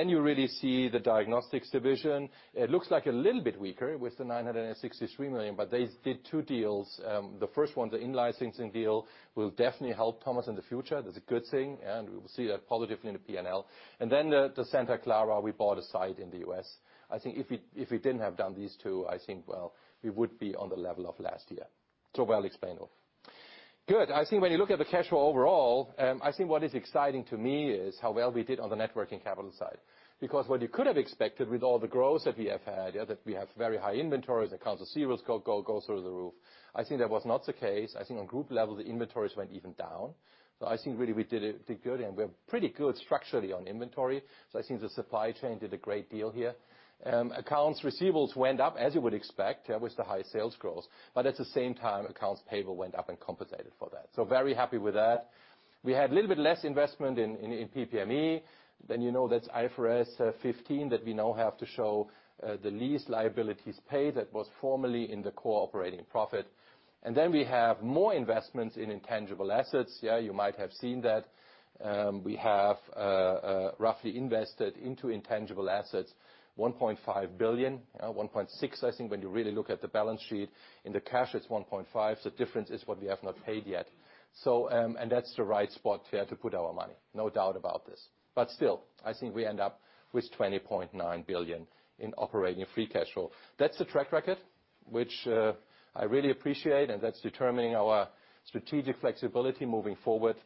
You really see the diagnostics division. It looks like a little bit weaker with the 963 million, they did two deals. The first one, the in-licensing deal, will definitely help Thomas in the future. That's a good thing, we will see that positively in the P&L. The Santa Clara, we bought a site in the U.S. I think if we didn't have done these two, I think, well, we would be on the level of last year. Well explained off. Good. I think when you look at the cash flow overall, I think what is exciting to me is how well we did on the networking capital side. Because what you could have expected with all the growth that we have had, yeah, that we have very high inventories, accounts receivable go through the roof. I think that was not the case. I think on group level, the inventories went even down. I think really we did good, and we're pretty good structurally on inventory. I think the supply chain did a great deal here. Accounts receivables went up, as you would expect, yeah, with the high sales growth. At the same time, accounts payable went up and compensated for that. Very happy with that. We had a little bit less investment in PP&E. You know that's IFRS 15 that we now have to show the lease liabilities paid that was formerly in the core operating profit. We have more investments in intangible assets, yeah. You might have seen that. We have roughly invested into intangible assets 1.5 billion, 1.6 billion, I think when you really look at the balance sheet. In the cash it's 1.5 billion, difference is what we have not paid yet. That's the right spot, yeah, to put our money. No doubt about this. Still, I think we end up with 20.9 billion in operating free cash flow. That's the track record, which I really appreciate, and that's determining our strategic flexibility moving forward.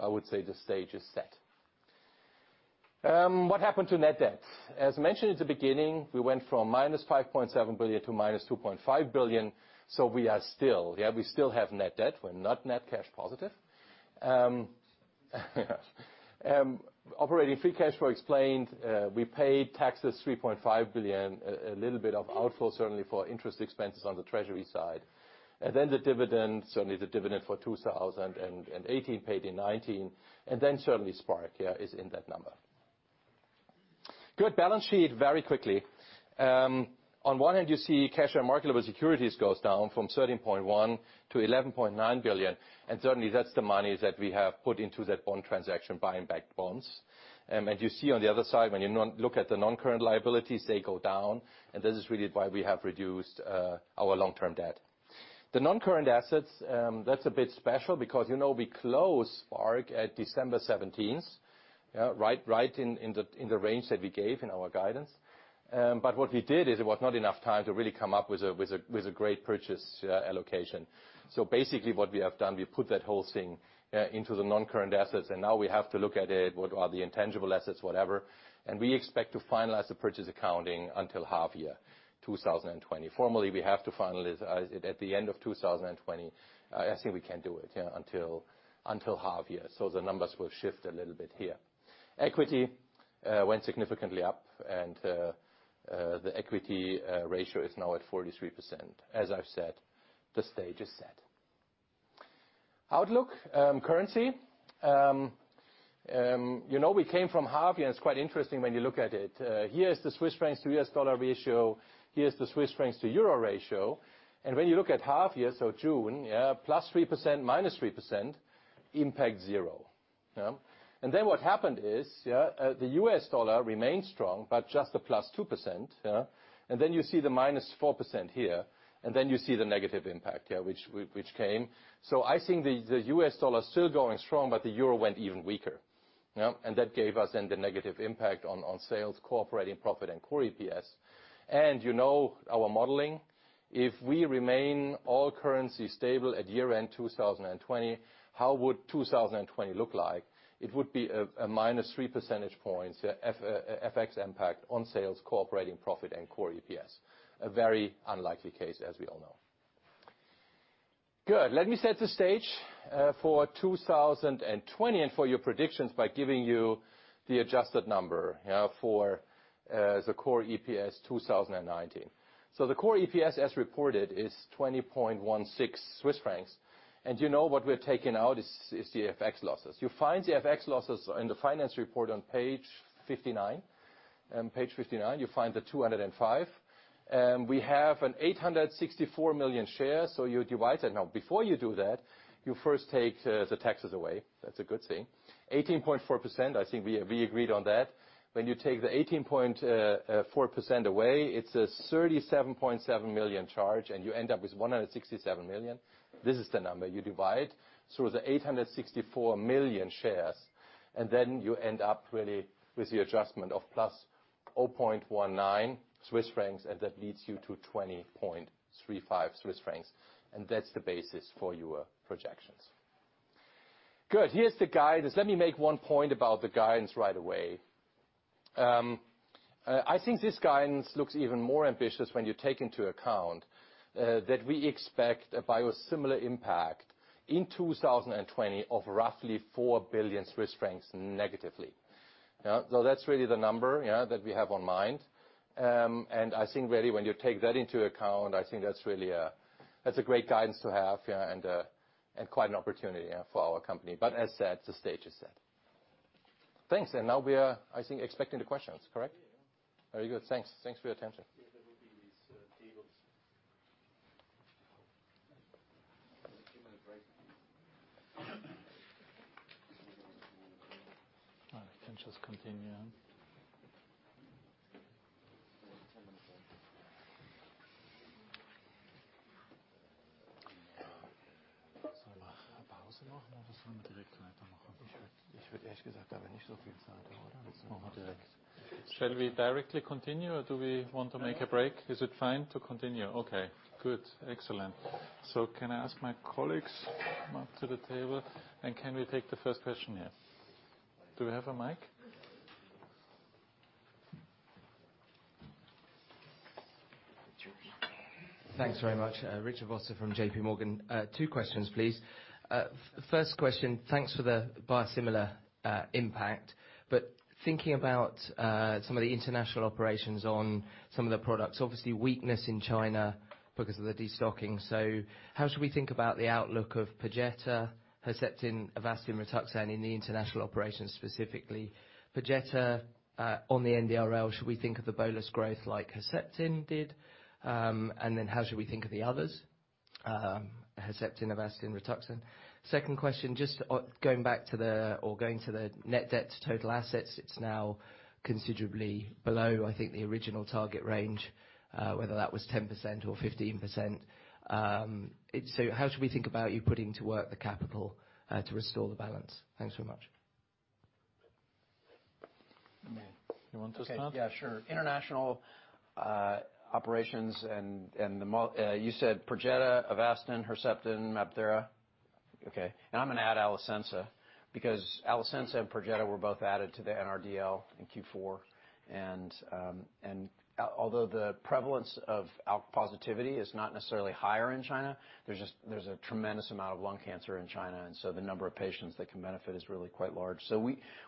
I would say the stage is set. What happened to net debt? As mentioned at the beginning, we went from -5.7 billion to -2.5 billion. We still have net debt. We're not net cash positive. Operating free cash flow explained, we paid taxes 3.5 billion. A little bit of outflow, certainly, for interest expenses on the treasury side. The dividend, certainly the dividend for 2018 paid in 2019. Certainly Spark is in that number. Good. Balance sheet, very quickly. On one hand you see cash and marketable securities goes down from 13.1 billion to 11.9 billion. Certainly, that's the monies that we have put into that bond transaction, buying back bonds. You see on the other side, when you look at the non-current liabilities, they go down, and this is really why we have reduced our long-term debt. The non-current assets, that's a bit special because we closed Spark at December 17th. Right in the range that we gave in our guidance. What we did is, it was not enough time to really come up with a great purchase allocation. Basically what we have done, we put that whole thing into the non-current assets, and now we have to look at it. What are the intangible assets, whatever, we expect to finalize the purchase accounting until half year 2020. Formally, we have to finalize it at the end of 2020. I think we can do it until half year. The numbers will shift a little bit here. Equity went significantly up, and the equity ratio is now at 43%. As I've said, the stage is set. Outlook. Currency. We came from half year, and it's quite interesting when you look at it. Here is the Swiss frac to US Dollar ratio. Here is the Swiss frac to Euro ratio. When you look at half year, so June, yeah, +3%, -3%, impact zero. What happened is, the US Dollar remained strong but just a +2%. You see the -4% here, you see the negative impact which came. I think the US Dollar is still going strong, but the Euro went even weaker. That gave us then the negative impact on sales, core operating profit, and core EPS. You know our modeling. If we remain all currency stable at year end 2020, how would 2020 look like? It would be a -3 percentage points FX impact on sales, core operating profit, and core EPS. A very unlikely case, as we all know. Good. Let me set the stage for 2020 and for your predictions by giving you the adjusted number for the core EPS 2019. The core EPS, as reported, is 20.16 Swiss francs. You know what we've taken out is the FX losses. You find the FX losses in the finance report on page 59. Page 59, you find the 205 million. We have an 864 million shares, you divide that. Before you do that, you first take the taxes away. That's a good thing. 18.4%, I think we agreed on that. You take the 18.4% away, it's a 37.7 million charge, you end up with 167 million. This is the number. You divide through the 864 million shares, you end up really with the adjustment of +0.19 Swiss francs, that leads you to 20.35 Swiss francs. That's the basis for your projections. Good. Here's the guidance. Let me make one point about the guidance right away. I think this guidance looks even more ambitious when you take into account that we expect a biosimilar impact in 2020 of roughly 4 billion Swiss francs negatively. That's really the number that we have on mind. I think really when you take that into account, I think that's a great guidance to have, and quite an opportunity for our company. As said, the stage is set. Thanks. Now we are, I think, expecting the questions. Correct? Yeah. Very good. Thanks for your attention. Yeah, there will be these tables. All right. Can just continue, yeah? Yeah. Shall we directly continue or do we want to make a break? Is it fine to continue? Okay, good. Excellent. Can I ask my colleagues come up to the table, and can we take the first question here? Do we have a mic? Thanks very much. Richard Vosser from J.P. Morgan. Two questions, please. First question. Thanks for the biosimilar impact. Thinking about some of the international operations on some of the products, obviously weakness in China because of the destocking. How should we think about the outlook of Perjeta, Herceptin, Avastin, Rituxan in the international operations, specifically Perjeta on the NRDL? Should we think of the bolus growth like Herceptin did? How should we think of the others? Herceptin, Avastin, Rituxan. Second question, just going back to the net debt to total assets, it's now considerably below, I think, the original target range, whether that was 10% or 15%. How should we think about you putting to work the capital to restore the balance? Thanks so much. You want to start? Yeah, sure. International operations you said Perjeta, Avastin, Herceptin, MabThera? Okay. I'm going to add Alecensa, because Alecensa and Perjeta were both added to the NRDL in Q4. Although the prevalence of ALK positivity is not necessarily higher in China, there's a tremendous amount of lung cancer in China, the number of patients that can benefit is really quite large.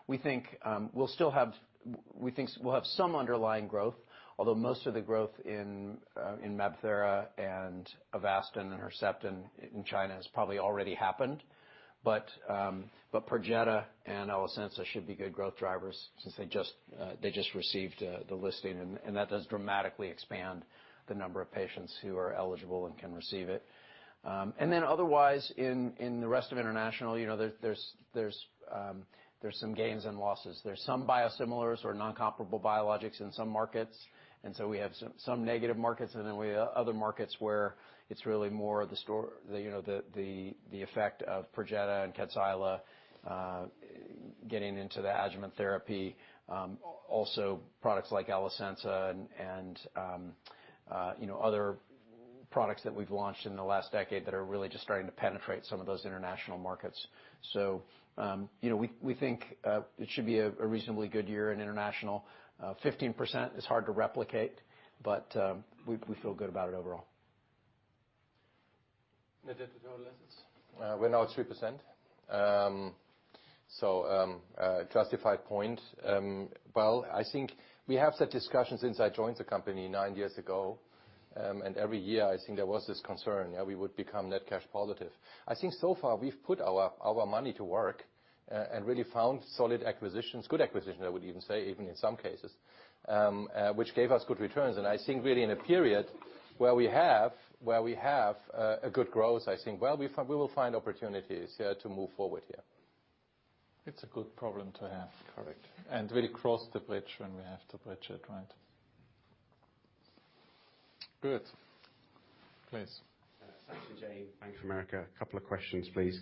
We think we'll have some underlying growth, although most of the growth in MabThera and Avastin and Herceptin in China has probably already happened. Perjeta and Alecensa should be good growth drivers since they just received the listing, that does dramatically expand the number of patients who are eligible and can receive it. Otherwise, in the rest of international, there's some gains and losses. There's some biosimilars or non-comparable biologics in some markets. We have some negative markets, and then we have other markets where it's really more of the effect of Perjeta and Tecentriq getting into the adjuvant therapy. Also products like Alecensa and other products that we've launched in the last decade that are really just starting to penetrate some of those international markets. We think it should be a reasonably good year in international. 15% is hard to replicate, but we feel good about it overall. Net debt to total assets? We're now at 3%. A justified point. Well, I think we have set discussions since I joined the company nine years ago. Every year, I think there was this concern, how we would become net cash positive. I think so far we've put our money to work, and really found solid acquisitions, good acquisitions, I would even say, even in some cases, which gave us good returns. I think really in a period where we have a good growth, I think, well, we will find opportunities to move forward here. It's a good problem to have. Correct. Really cross the bridge when we have to bridge it, right. Good. Please. Sachin Jain, Bank of America. Couple of questions, please.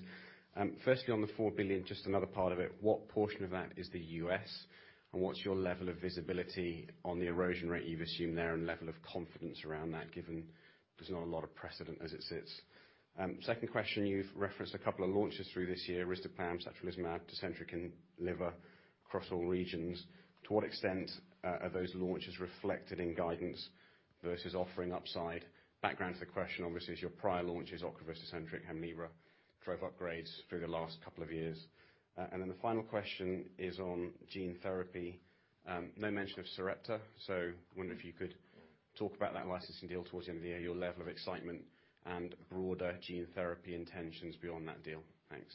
On the 4 billion, just another part of it, what portion of that is the U.S., and what's your level of visibility on the erosion rate you've assumed there and level of confidence around that, given there's not a lot of precedent as it sits? Second question, you've referenced a couple of launches through this year, risdiplam, satralizumab, Tecentriq and Hemlibra across all regions. To what extent are those launches reflected in guidance versus offering upside? Background to the question obviously is your prior launches, Ocrevus, Tecentriq, Hemlibra, drove upgrades through the last couple of years. The final question is on gene therapy. No mention of Sarepta, so I wonder if you could talk about that licensing deal towards the end of the year, your level of excitement and broader gene therapy intentions beyond that deal. Thanks.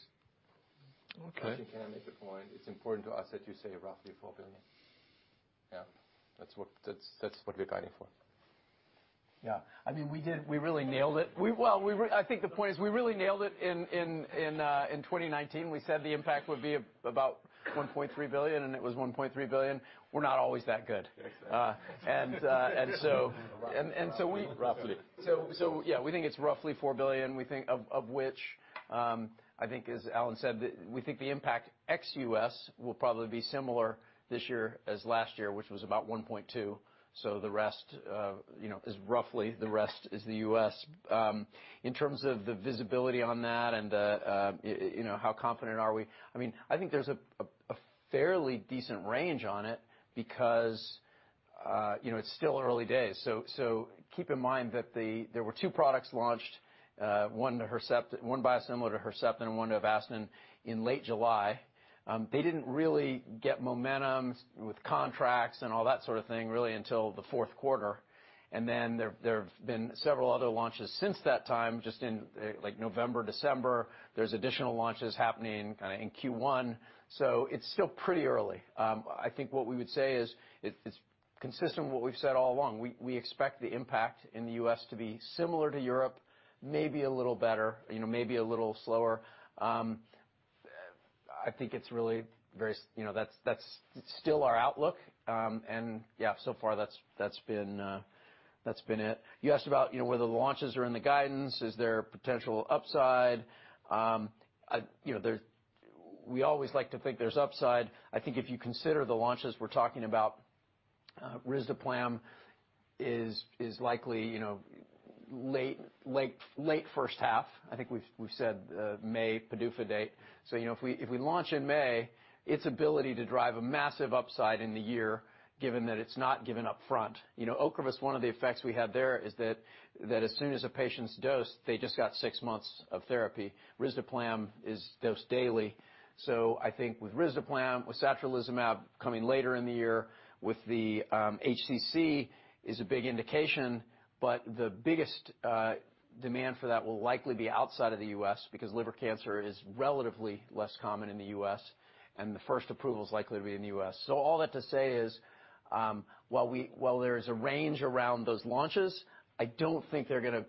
Okay. Can I make a point? It's important to us that you say roughly CHF 4 billion. Yeah. That's what we're guiding for. Yeah. I think the point is we really nailed it in 2019. We said the impact would be about 1.3 billion. It was 1.3 billion. We're not always that good. Roughly. Yeah, we think it's roughly 4 billion. Of which, I think as Alan said, we think the impact ex-U.S. will probably be similar this year as last year, which was about 1.2 billion. The rest is roughly the U.S. In terms of the visibility on that and how confident are we, I think there's a fairly decent range on it because it's still early days. Keep in mind that there were two products launched, one biosimilar to Herceptin and one to Avastin in late July. They didn't really get momentum with contracts and all that sort of thing really until the fourth quarter. There have been several other launches since that time, just in November, December. There's additional launches happening in Q1. It's still pretty early. I think what we would say is it's consistent with what we've said all along. We expect the impact in the U.S. to be similar to Europe, maybe a little better, maybe a little slower. That's still our outlook. Yeah, so far that's been it. You asked about whether the launches are in the guidance. Is there potential upside? We always like to think there's upside. I think if you consider the launches we're talking about, Risdiplam is likely late first half. I think we've said May PDUFA date. If we launch in May, its ability to drive a massive upside in the year, given that it's not given up front. Ocrevus, one of the effects we had there is that as soon as a patient's dosed, they just got six months of therapy. Risdiplam is dosed daily. I think with risdiplam, with satralizumab coming later in the year, with the HCC is a big indication, but the biggest demand for that will likely be outside of the U.S. because liver cancer is relatively less common in the U.S., and the first approval is likely to be in the U.S. All that to say is while there is a range around those launches, I don't think they're going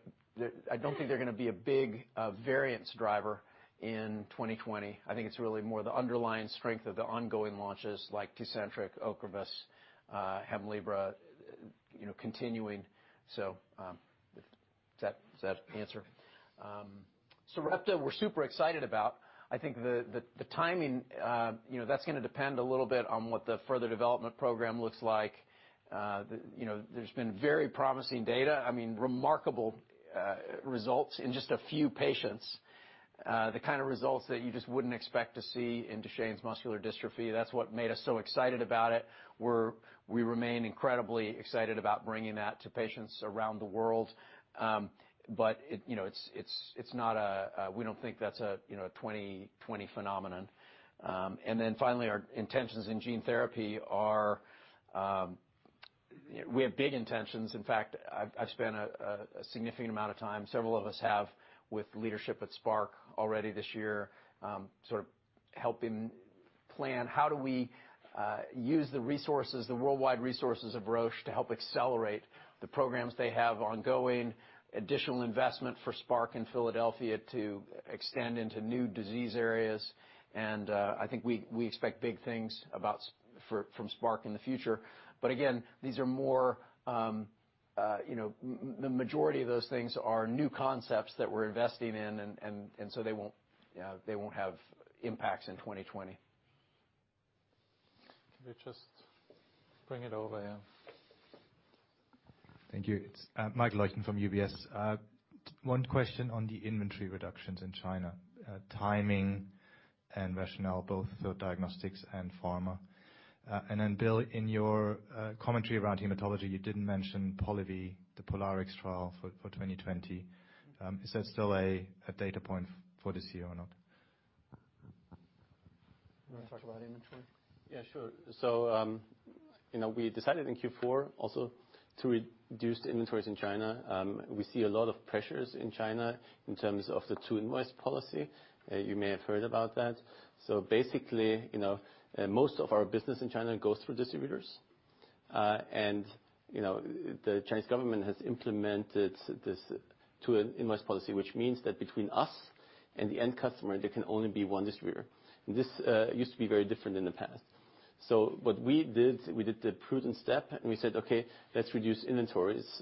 to be a big variance driver in 2020. I think it's really more the underlying strength of the ongoing launches like Tecentriq, Ocrevus, Hemlibra continuing. Does that answer? Sarepta, we're super excited about. I think the timing, that's going to depend a little bit on what the further development program looks like. There's been very promising data. I mean, remarkable results in just a few patients. The kind of results that you just wouldn't expect to see in Duchenne muscular dystrophy. That's what made us so excited about it. We remain incredibly excited about bringing that to patients around the world. We don't think that's a 2020 phenomenon. Finally, our intentions in gene therapy are, we have big intentions. In fact, I've spent a significant amount of time, several of us have, with leadership at Spark already this year, sort of helping plan how do we use the resources, the worldwide resources of Roche to help accelerate the programs they have ongoing, additional investment for Spark and Philadelphia to extend into new disease areas. I think we expect big things from Spark in the future. The majority of those things are new concepts that we're investing in, and so they won't have impacts in 2020. Can we just bring it over here? Thank you. It's Mike Leuchten from UBS. One question on the inventory reductions in China, timing and rationale, both for diagnostics and pharma. Bill, in your commentary around hematology, you didn't mention Polivy, the POLARIX trial for 2020. Is that still a data point for this year or not? You want to talk about inventory? Yeah, sure. We decided in Q4 also to reduce the inventories in China. We see a lot of pressures in China in terms of the two-invoice policy. You may have heard about that. Most of our business in China goes through distributors. The Chinese government has implemented this two-invoice policy, which means that between us and the end customer, there can only be one distributor. This used to be very different in the past. What we did, we did the prudent step, and we said, "Okay, let's reduce inventories,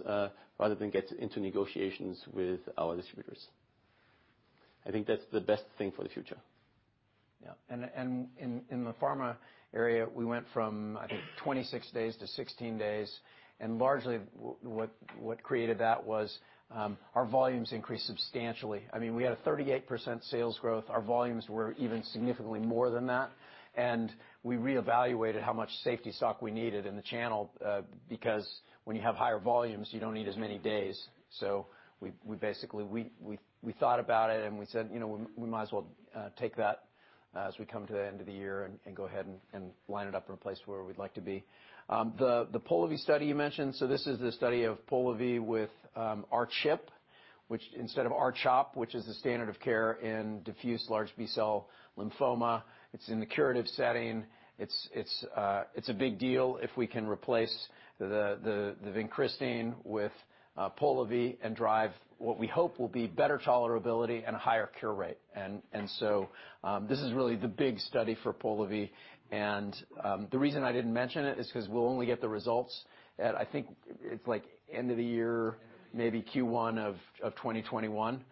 rather than get into negotiations with our distributors." I think that's the best thing for the future. Yeah. In the pharma area, we went from, I think, 26 days to 16 days. Largely what created that was our volumes increased substantially. We had a 38% sales growth. Our volumes were even significantly more than that, and we reevaluated how much safety stock we needed in the channel, because when you have higher volumes, you don't need as many days. We thought about it, and we said, "We might as well take that as we come to the end of the year and go ahead and line it up in a place where we'd like to be." The Polivy study you mentioned, this is the study of Polivy with R-CHP, which instead of R-CHOP, which is the standard of care in diffuse large B-cell lymphoma. It's in the curative setting. It's a big deal if we can replace the vincristine with Polivy and drive what we hope will be better tolerability and a higher cure rate. This is really the big study for Polivy, and the reason I didn't mention it is because we'll only get the results at, I think it's like end of the year, maybe Q1 of 2021.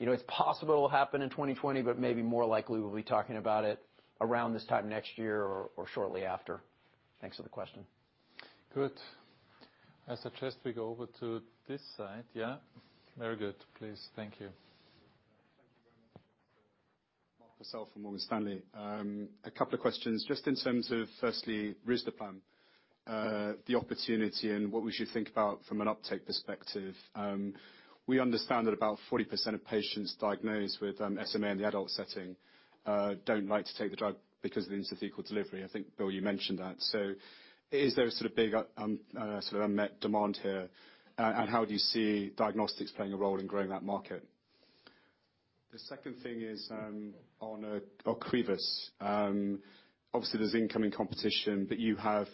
It's possible it'll happen in 2020, but maybe more likely we'll be talking about it around this time next year or shortly after. Thanks for the question. Good. I suggest we go over to this side. Yeah. Very good. Please. Thank you. Thank you very much. Mark Purcell from Morgan Stanley. A couple of questions just in terms of, firstly, risdiplam, the opportunity and what we should think about from an uptake perspective. We understand that about 40% of patients diagnosed with SMA in the adult setting don't like to take the drug because of the intrathecal delivery. I think, Bill, you mentioned that. Is there a sort of big unmet demand here? How do you see diagnostics playing a role in growing that market? The second thing is on Ocrevus. Obviously, there's incoming competition, but you have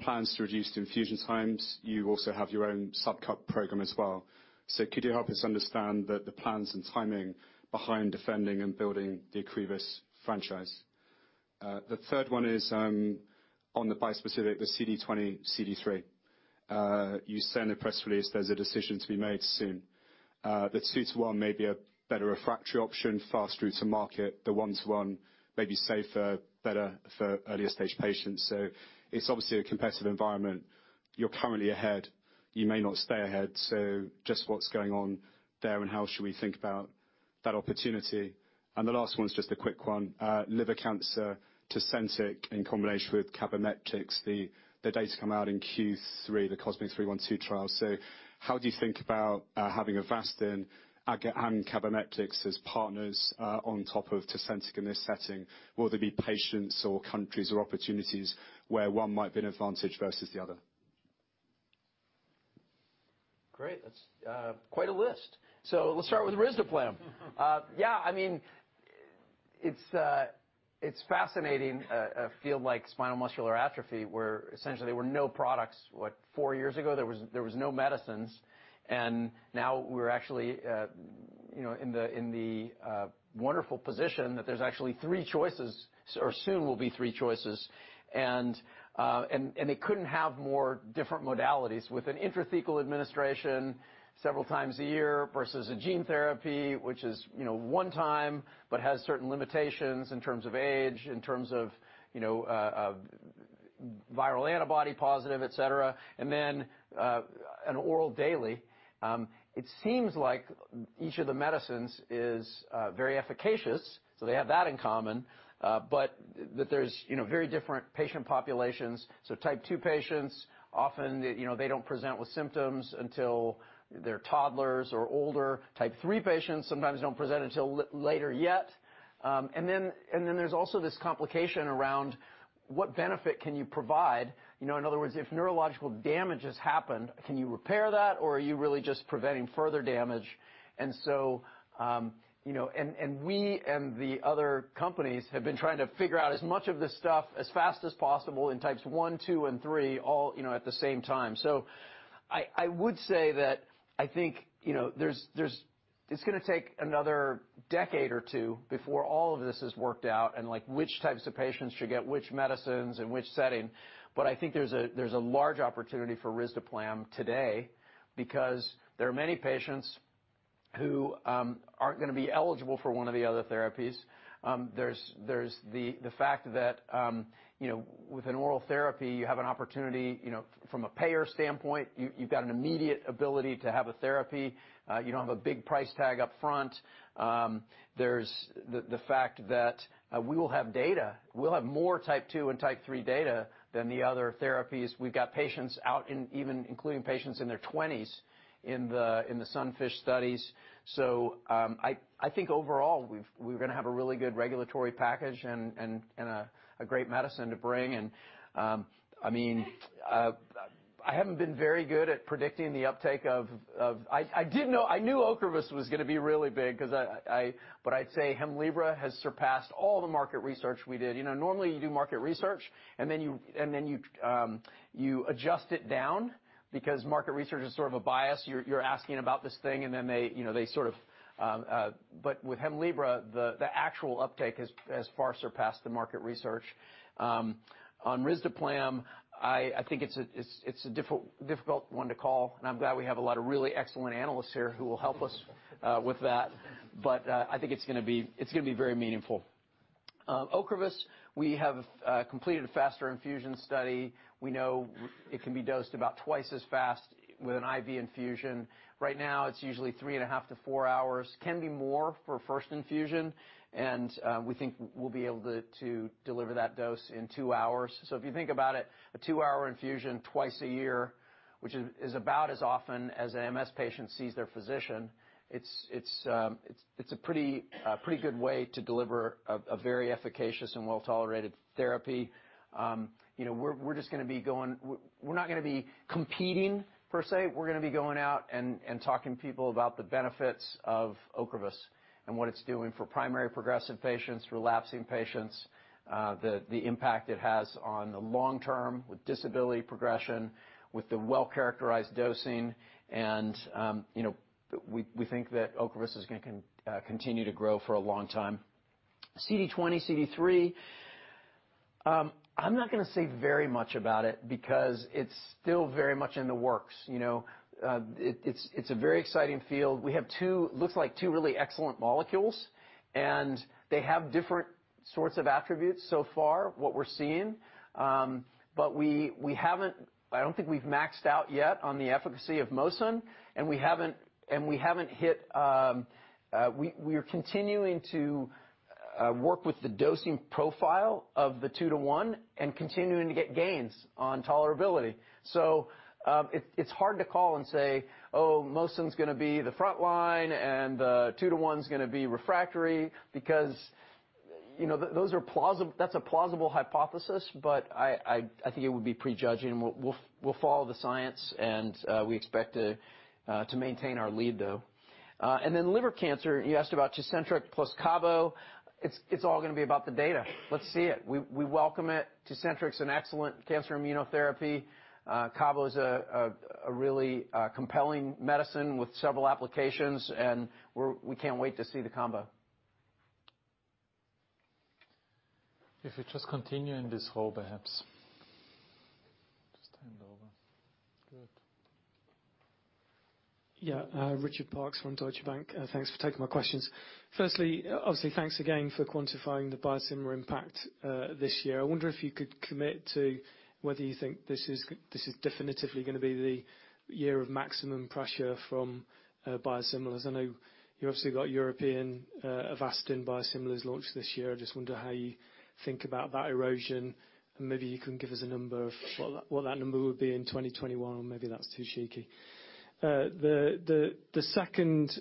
plans to reduce the infusion times. You also have your own subcut program as well. Could you help us understand the plans and timing behind defending and building the Ocrevus franchise? The third one is on the bispecific, the CD20xCD3. You said in a press release there's a decision to be made soon. The two to one may be a better refractory option, fast route to market. The one to one may be safer, better for earlier stage patients. It's obviously a competitive environment. You're currently ahead. You may not stay ahead. Just what's going on there, and how should we think about that opportunity? And the last one is just a quick one. Liver cancer, Tecentriq in combination with cabozantinib, the data come out in Q3, the COSMIC-312 trial. How do you think about having Avastin and cabozantinib as partners on top of Tecentriq in this setting? Will there be patients or countries or opportunities where one might be an advantage versus the other? Great. That's quite a list. Let's start with risdiplam. Yeah, it's a fascinating field like spinal muscular atrophy, where essentially there were no products, what, four years ago? There was no medicines, now we're actually in the wonderful position that there's actually three choices, or soon will be three choices. They couldn't have more different modalities with an intrathecal administration several times a year versus a gene therapy, which is one time, but has certain limitations in terms of age, in terms of viral antibody positive, et cetera. An oral daily. It seems like each of the medicines is very efficacious, they have that in common. That there's very different patient populations. Type 2 patients, often, they don't present with symptoms until they're toddlers or older. Type 3 patients sometimes don't present until later yet. There's also this complication around what benefit can you provide? In other words, if neurological damage has happened, can you repair that, or are you really just preventing further damage? We, and the other companies, have been trying to figure out as much of this stuff as fast as possible in Types 1, 2, and 3, all at the same time. I would say that I think it's going to take another decade or two before all of this is worked out, and which types of patients should get which medicines in which setting. I think there's a large opportunity for risdiplam today because there are many patients who aren't going to be eligible for one of the other therapies. There's the fact that with an oral therapy, you have an opportunity from a payer standpoint, you've got an immediate ability to have a therapy. You don't have a big price tag up front. There's the fact that we will have data. We'll have more Type 2 and Type 3 data than the other therapies. We've got patients out, even including patients in their 20s in the SUNFISH studies. I think overall, we're going to have a really good regulatory package and a great medicine to bring. I haven't been very good at predicting the uptake of. I knew Ocrevus was going to be really big, but I'd say Hemlibra has surpassed all the market research we did. Normally you do market research and then you adjust it down because market research is sort of a bias. You're asking about this thing and then they sort of. With Hemlibra, the actual uptake has far surpassed the market research. On risdiplam, I think it's a difficult one to call, and I'm glad we have a lot of really excellent analysts here who will help us with that. I think it's going to be very meaningful. Ocrevus, we have completed a faster infusion study. We know it can be dosed about twice as fast with an IV infusion. Right now, it's usually three and a half to four hours. Can be more for first infusion. We think we'll be able to deliver that dose in two hours. If you think about it, a two-hour infusion twice a year, which is about as often as an MS patient sees their physician. It's a pretty good way to deliver a very efficacious and well-tolerated therapy. We're not going to be competing per se. We're going to be going out and talking to people about the benefits of Ocrevus and what it's doing for primary progressive patients, relapsing patients. The impact it has on the long term with disability progression, with the well-characterized dosing, we think that Ocrevus is going to continue to grow for a long time. CD20xCD3. I'm not going to say very much about it because it's still very much in the works. It's a very exciting field. We have looks like two really excellent molecules, and they have different sorts of attributes so far, what we're seeing. I don't think we've maxed out yet on the efficacy of mosunetuzumab, and we're continuing to work with the dosing profile of the 2:1 and continuing to get gains on tolerability. It's hard to call and say, "Oh, mosunetuzumab's going to be the frontline, and the 2:1's going to be refractory" because that's a plausible hypothesis, but I think it would be pre-judging. We'll follow the science, and we expect to maintain our lead, though. Liver cancer. You asked about Tecentriq plus cabo. It's all going to be about the data. Let's see it. We welcome it. Tecentriq's an excellent cancer immunotherapy. Cabo is a really compelling medicine with several applications, and we can't wait to see the combo. If you just continue in this role, perhaps. Just hand over. Good. Yeah. Richard Parkes from Deutsche Bank. Thanks for taking my questions. Firstly, obviously, thanks again for quantifying the biosimilar impact this year. I wonder if you could commit to whether you think this is definitively going to be the year of maximum pressure from biosimilars. I know you obviously got European Avastin biosimilars launch this year. I just wonder how you think about that erosion, and maybe you can give us a number of what that number would be in 2021, or maybe that's too cheeky. The second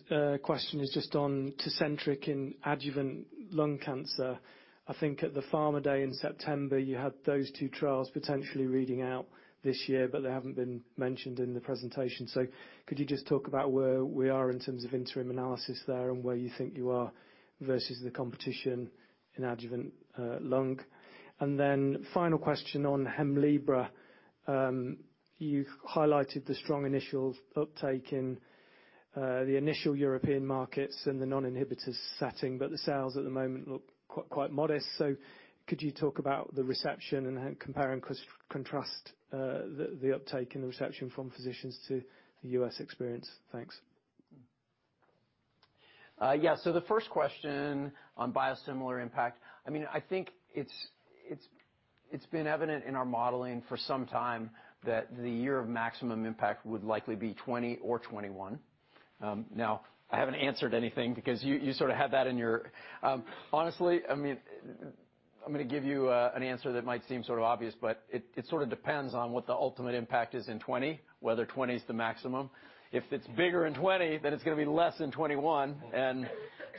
question is just on Tecentriq in adjuvant lung cancer. I think at the Pharma Day in September, you had those two trials potentially reading out this year, but they haven't been mentioned in the presentation. Could you just talk about where we are in terms of interim analysis there and where you think you are versus the competition in adjuvant lung? Final question on Hemlibra. You've highlighted the strong initial uptake in the initial European markets and the non-inhibitors setting, but the sales at the moment look quite modest. Could you talk about the reception and compare and contrast the uptake in the reception from physicians to the U.S. experience? Thanks. Yes. The first question on biosimilar impact. I think it's been evident in our modeling for some time that the year of maximum impact would likely be 2020 or 2021. I haven't answered anything because you sort of had that in your Honestly, I'm going to give you an answer that might seem sort of obvious, but it sort of depends on what the ultimate impact is in 2020, whether 2020 is the maximum. If it's bigger in 2020, then it's going to be less in 2021.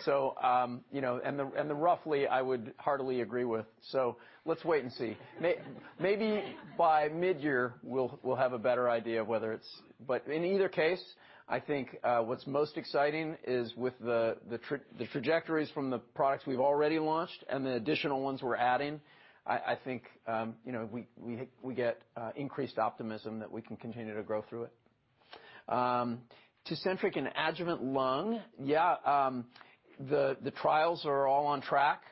The roughly, I would heartily agree with. Let's wait and see. Maybe by mid-year we'll have a better idea of whether it's In either case, I think what's most exciting is with the trajectories from the products we've already launched and the additional ones we're adding, I think we get increased optimism that we can continue to grow through it. Tecentriq and adjuvant lung. Yeah. The trials are all on track.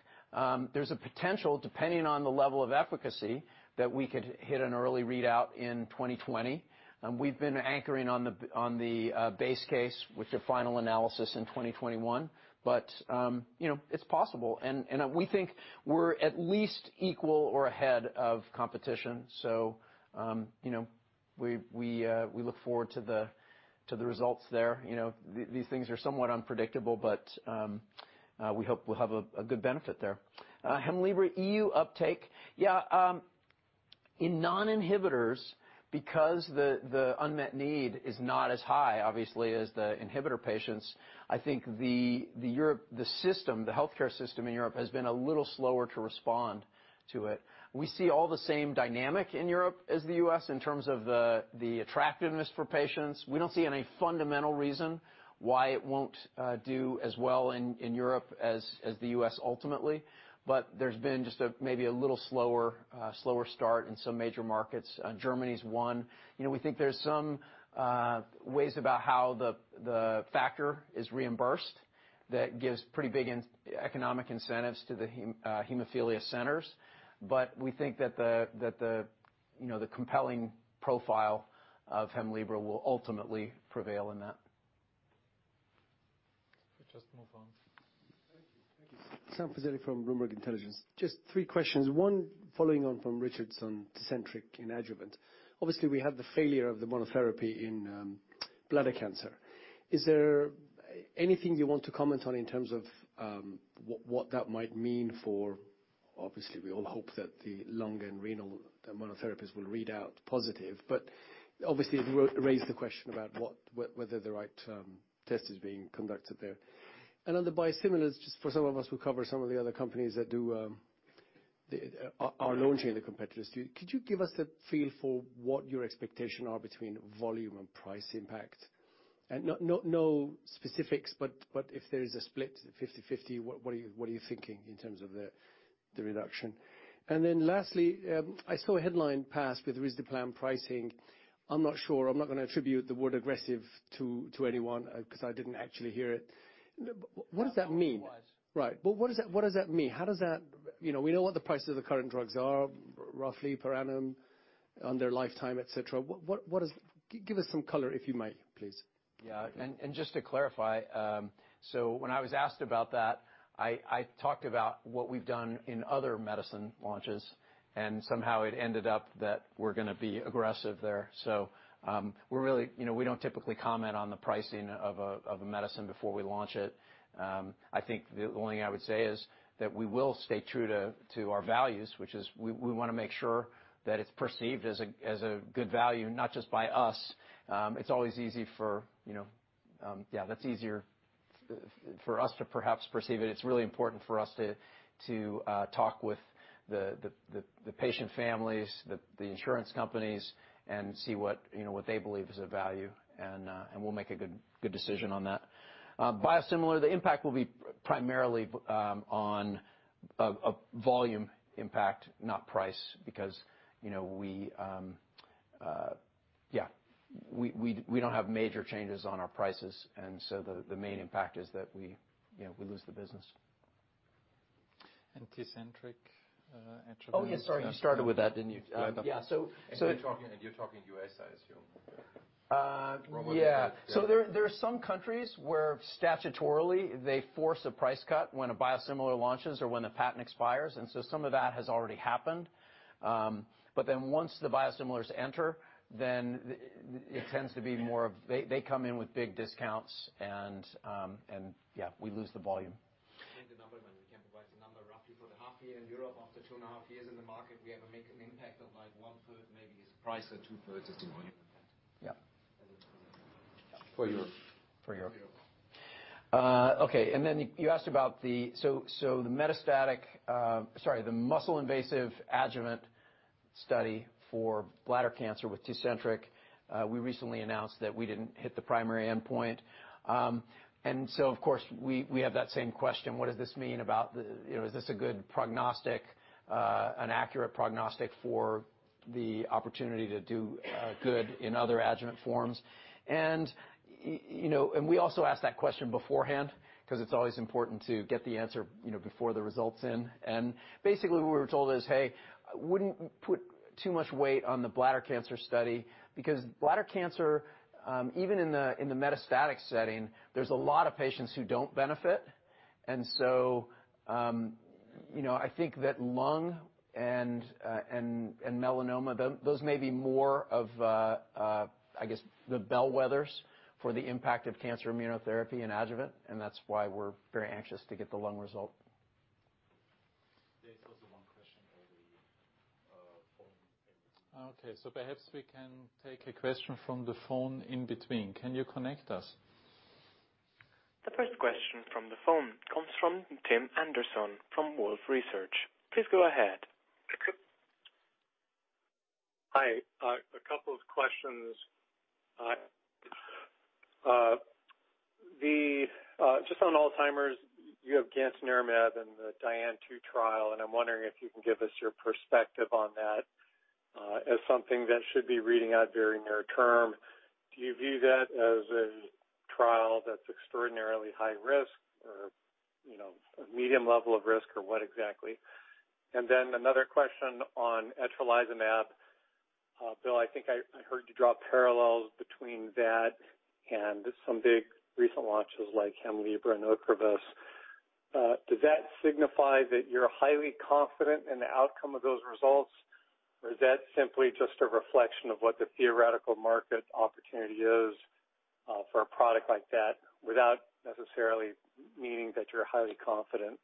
There's a potential, depending on the level of efficacy, that we could hit an early readout in 2020. We've been anchoring on the base case with the final analysis in 2021. It's possible, and we think we're at least equal or ahead of competition. We look forward to the results there. These things are somewhat unpredictable, but we hope we'll have a good benefit there. Hemlibra EU uptake. Yeah. In non-inhibitors, because the unmet need is not as high, obviously, as the inhibitor patients, I think the system, the healthcare system in Europe, has been a little slower to respond to it. We see all the same dynamic in Europe as the U.S. in terms of the attractiveness for patients. We don't see any fundamental reason why it won't do as well in Europe as the U.S. ultimately. There's been just maybe a little slower start in some major markets. Germany's one. We think there's some ways about how the factor is reimbursed that gives pretty big economic incentives to the hemophilia centers. We think that the compelling profile of Hemlibra will ultimately prevail in that. We just move on. Thank you. Sam Fazeli from Bloomberg Intelligence. Just three questions. One following on from Richard's on Tecentriq in adjuvant. Obviously, we have the failure of the monotherapy in bladder cancer. Is there anything you want to comment on in terms of what that might mean for Obviously, we all hope that the lung and renal monotherapies will read out positive. Obviously it raised the question about whether the right test is being conducted there. On the biosimilars, just for some of us who cover some of the other companies that are launching the competitors, could you give us a feel for what your expectation are between volume and price impact? No specifics, but if there is a split, 50/50, what are you thinking in terms of the reduction? Lastly, I saw a headline pass with risdiplam pricing. I'm not sure, I'm not going to attribute the word aggressive to anyone, because I didn't actually hear it. What does that mean? I thought it was. Right. What does that mean? We know what the prices of the current drugs are, roughly, per annum, under lifetime, et cetera. Give us some color, if you might, please. Yeah. Just to clarify, so when I was asked about that, I talked about what we've done in other medicine launches, and somehow it ended up that we're going to be aggressive there. We don't typically comment on the pricing of a medicine before we launch it. I think the only thing I would say is that we will stay true to our values, which is we want to make sure that it's perceived as a good value, not just by us. That's easier for us to perhaps perceive it. It's really important for us to talk with the patient families, the insurance companies, and see what they believe is a value, and we'll make a good decision on that. Biosimilar, the impact will be primarily on a volume impact, not price, because we don't have major changes on our prices. The main impact is that we lose the business. Tecentriq. Oh, yeah, sorry. You started with that, didn't you? Yeah. Yeah. You're talking U.S., I assume? Yeah. There are some countries where statutorily they force a price cut when a biosimilar launches or when the patent expires. Some of that has already happened. Once the biosimilars enter, then it tends to be more of they come in with big discounts and yeah, we lose the volume. I think the number, when we can provide the number roughly for the half year in Europe, after two and a half years in the market, we have a making impact on one-third maybe is price and two-thirds is volume. Yeah. For Europe. For Europe. Okay. You asked about the muscle-invasive adjuvant study for bladder cancer with Tecentriq. We recently announced that we didn't hit the primary endpoint. Of course, we have that same question, what does this mean about? Is this a good prognostic, an accurate prognostic for the opportunity to do good in other adjuvant forms? We also asked that question beforehand because it's always important to get the answer before the result's in. Basically what we were told is, "Hey, wouldn't put too much weight on the bladder cancer study, because bladder cancer, even in the metastatic setting, there's a lot of patients who don't benefit." I think that lung and melanoma, those may be more of, I guess, the bellwethers for the impact of cancer immunotherapy and adjuvant, and that's why we're very anxious to get the lung result. There's also one question over the phone. Okay, perhaps we can take a question from the phone in between. Can you connect us? The first question from the phone comes from Tim Anderson from Wolfe Research. Please go ahead. Hi. A couple of questions. Just on Alzheimer's, you have gantenerumab and the DIAN-TU trial. I'm wondering if you can give us your perspective on that as something that should be reading out very near term. Do you view that as a trial that's extraordinarily high risk or a medium level of risk, or what exactly? Another question on etrolizumab. Bill, I think I heard you draw parallels between that and some big recent launches like Hemlibra and Ocrevus. Does that signify that you're highly confident in the outcome of those results? Is that simply just a reflection of what the theoretical market opportunity is for a product like that, without necessarily meaning that you're highly confident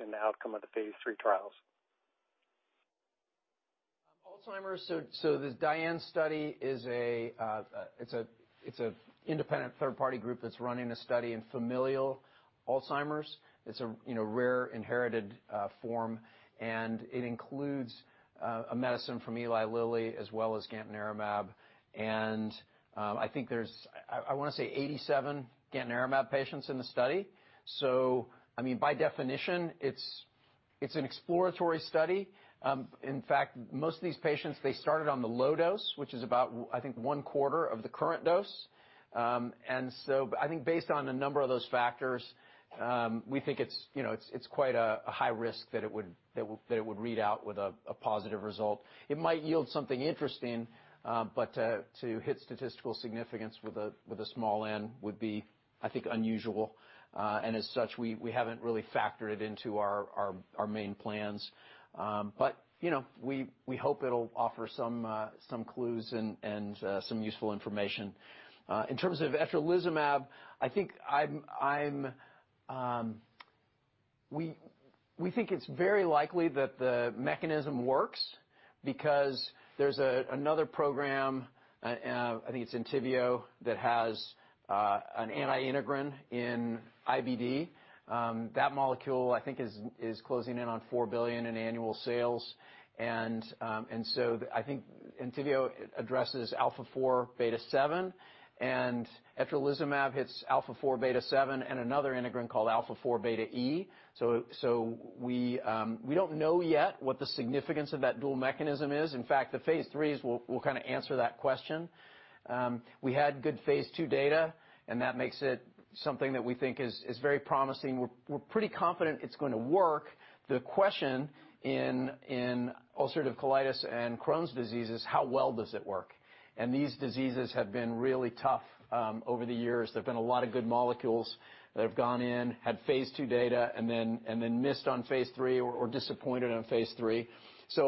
in the outcome of the phase III trials? Alzheimer's. This DIAN study is an independent third-party group that's running a study in familial Alzheimer's. It's a rare inherited form. It includes a medicine from Eli Lilly as well as gantenerumab. I think there's, I want to say, 87 gantenerumab patients in the study. By definition, it's an exploratory study. In fact, most of these patients, they started on the low dose, which is about, I think, one-quarter of the current dose. I think based on a number of those factors, we think it's quite a high risk that it would read out with a positive result. It might yield something interesting, to hit statistical significance with a small n would be, I think, unusual. As such, we haven't really factored it into our main plans. We hope it'll offer some clues and some useful information. In terms of etrolizumab, we think it's very likely that the mechanism works because there's another program, I think it's Entyvio, that has an anti-integrin in IBD. That molecule, I think, is closing in on $4 billion in annual sales. Entyvio addresses α4β7, and etrolizumab hits α4β7 and another integrin called α4βE. We don't know yet what the significance of that dual mechanism is. In fact, the phase III will kind of answer that question. We had good phase II data, and that makes it something that we think is very promising. We're pretty confident it's going to work. The question in ulcerative colitis and Crohn's disease is how well does it work? These diseases have been really tough over the years. There have been a lot of good molecules that have gone in, had phase II data, and then missed on phase III or disappointed on phase III. We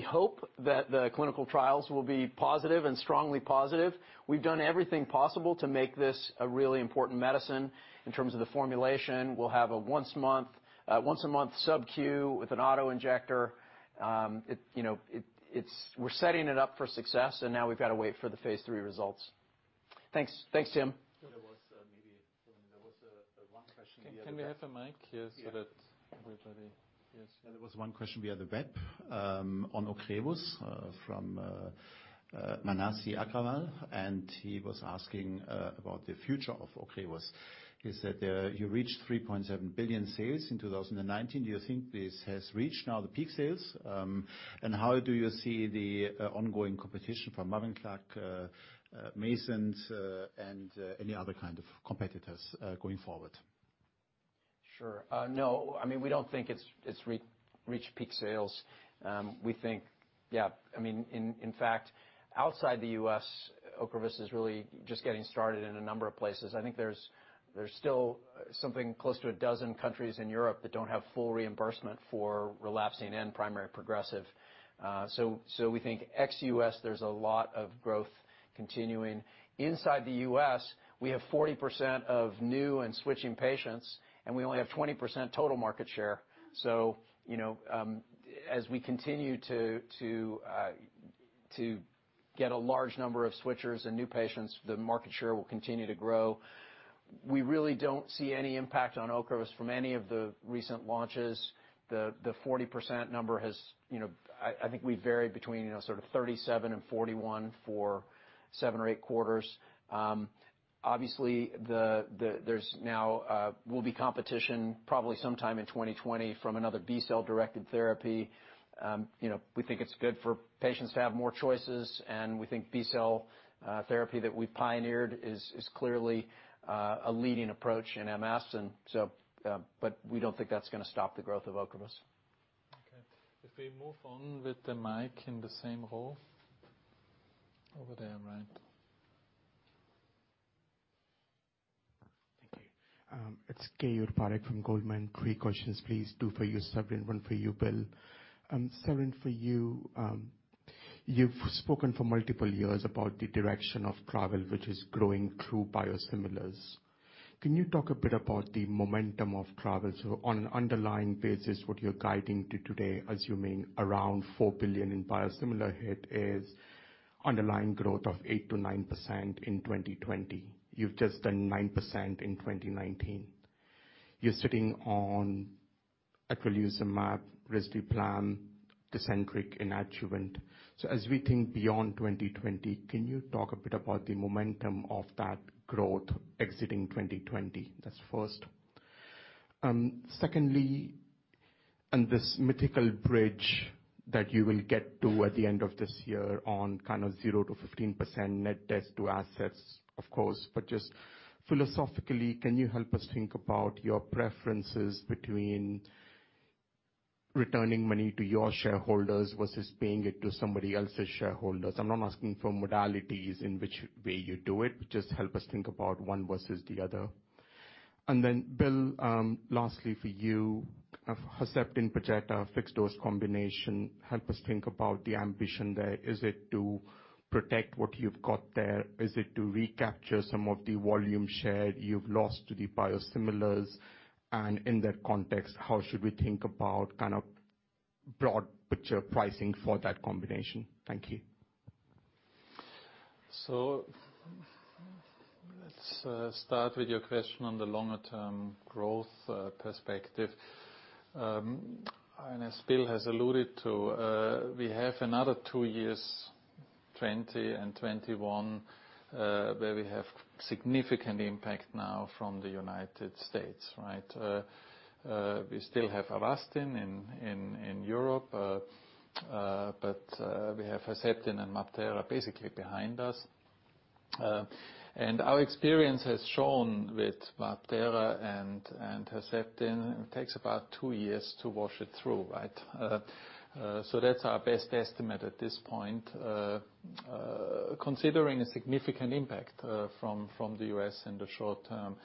hope that the clinical trials will be positive and strongly positive. We've done everything possible to make this a really important medicine in terms of the formulation. We'll have a once-a-month SubQ with an auto-injector. We're setting it up for success, and now we've got to wait for the phase III results. Thanks. Thanks, Tim. There was maybe one question via the web. Can we have a mic here so that everybody hears? Yeah, there was one question via the web on Ocrevus from Manasi Agarwal, and he was asking about the future of Ocrevus. He said you reached 3.7 billion sales in 2019. Do you think this has reached now the peak sales? How do you see the ongoing competition from MAVENCLAD, Mayzent, and any other kind of competitors going forward? Sure. No, we don't think it's reached peak sales. We think. In fact, outside the U.S., Ocrevus is really just getting started in a number of places. I think there's still something close to a dozen countries in Europe that don't have full reimbursement for relapsing and primary progressive. We think ex-U.S., there's a lot of growth continuing. Inside the U.S., we have 40% of new and switching patients, and we only have 20% total market share. As we continue to get a large number of switchers and new patients, the market share will continue to grow. We really don't see any impact on Ocrevus from any of the recent launches. The 40% number has I think we vary between sort of 37 and 41 for seven or eight quarters. Obviously, there's now will be competition probably sometime in 2020 from another B-cell-directed therapy. We think it's good for patients to have more choices, and we think B-cell therapy that we pioneered is clearly a leading approach in MS. We don't think that's going to stop the growth of Ocrevus. Okay. If we move on with the mic in the same hall. Over there, Ryan. Thank you. It's Keyur Parekh from Goldman. Three questions, please. Two for you, Severin, one for you, Bill. Severin, for you've spoken for multiple years about the direction of travel, which is growing through biosimilars. Can you talk a bit about the momentum of travel? On an underlying basis, what you're guiding to today, assuming around 4 billion in biosimilar headwind is underlying growth of 8%-9% in 2020. You've just done 9% in 2019. You're sitting on eculizumab, risdiplam, Tecentriq in adjuvant. As we think beyond 2020, can you talk a bit about the momentum of that growth exiting 2020? That's first. Secondly, on this mythical bridge that you will get to at the end of this year on kind of zero-15% net debt to assets, of course, just philosophically, can you help us think about your preferences between returning money to your shareholders versus paying it to somebody else's shareholders? I'm not asking for modalities in which way you do it, just help us think about one versus the other. Bill, lastly for you, Herceptin, Perjeta fixed dose combination, help us think about the ambition there. Is it to protect what you've got there? Is it to recapture some of the volume share you've lost to the biosimilars? In that context, how should we think about kind of broad picture pricing for that combination? Thank you. Let's start with your question on the longer-term growth perspective. As Bill has alluded to, we have another two years, 2020 and 2021, where we have significant impact now from the U.S., right? We still have Avastin in Europe, but we have Herceptin and MabThera basically behind us. Our experience has shown with MabThera and Herceptin, it takes about two years to wash it through, right? That's our best estimate at this point, considering a significant impact from the U.S. in the short term.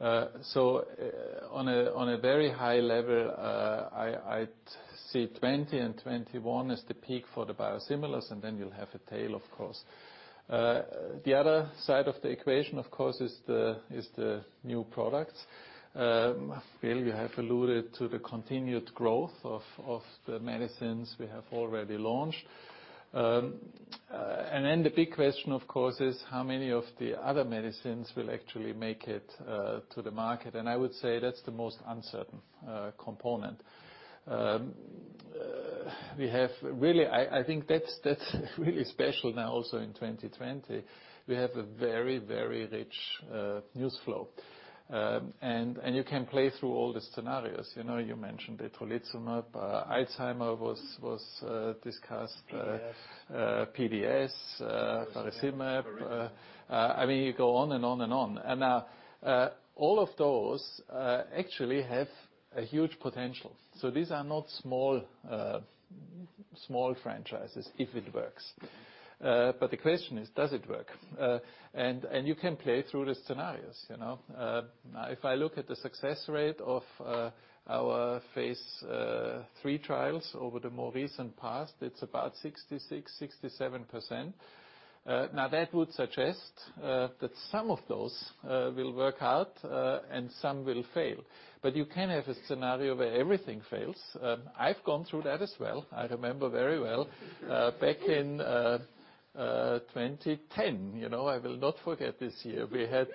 On a very high level, I'd say 2020 and 2021 is the peak for the biosimilars, and then you'll have a tail, of course. The other side of the equation, of course, is the new products. Bill, you have alluded to the continued growth of the medicines we have already launched. The big question, of course, is how many of the other medicines will actually make it to the market. I would say that's the most uncertain component. I think that's really special now also in 2020. We have a very rich news flow. You can play through all the scenarios. You mentioned etrolizumab, Alzheimer was discussed. PDS. PDS, faricimab. I mean, you go on and on. Now all of those actually have a huge potential. These are not small franchises if it works. The question is, does it work? You can play through the scenarios. If I look at the success rate of our phase III trials over the more recent past, it's about 66%, 67%. That would suggest that some of those will work out and some will fail. You can have a scenario where everything fails. I've gone through that as well. I remember very well back in 2010. I will not forget this year. We had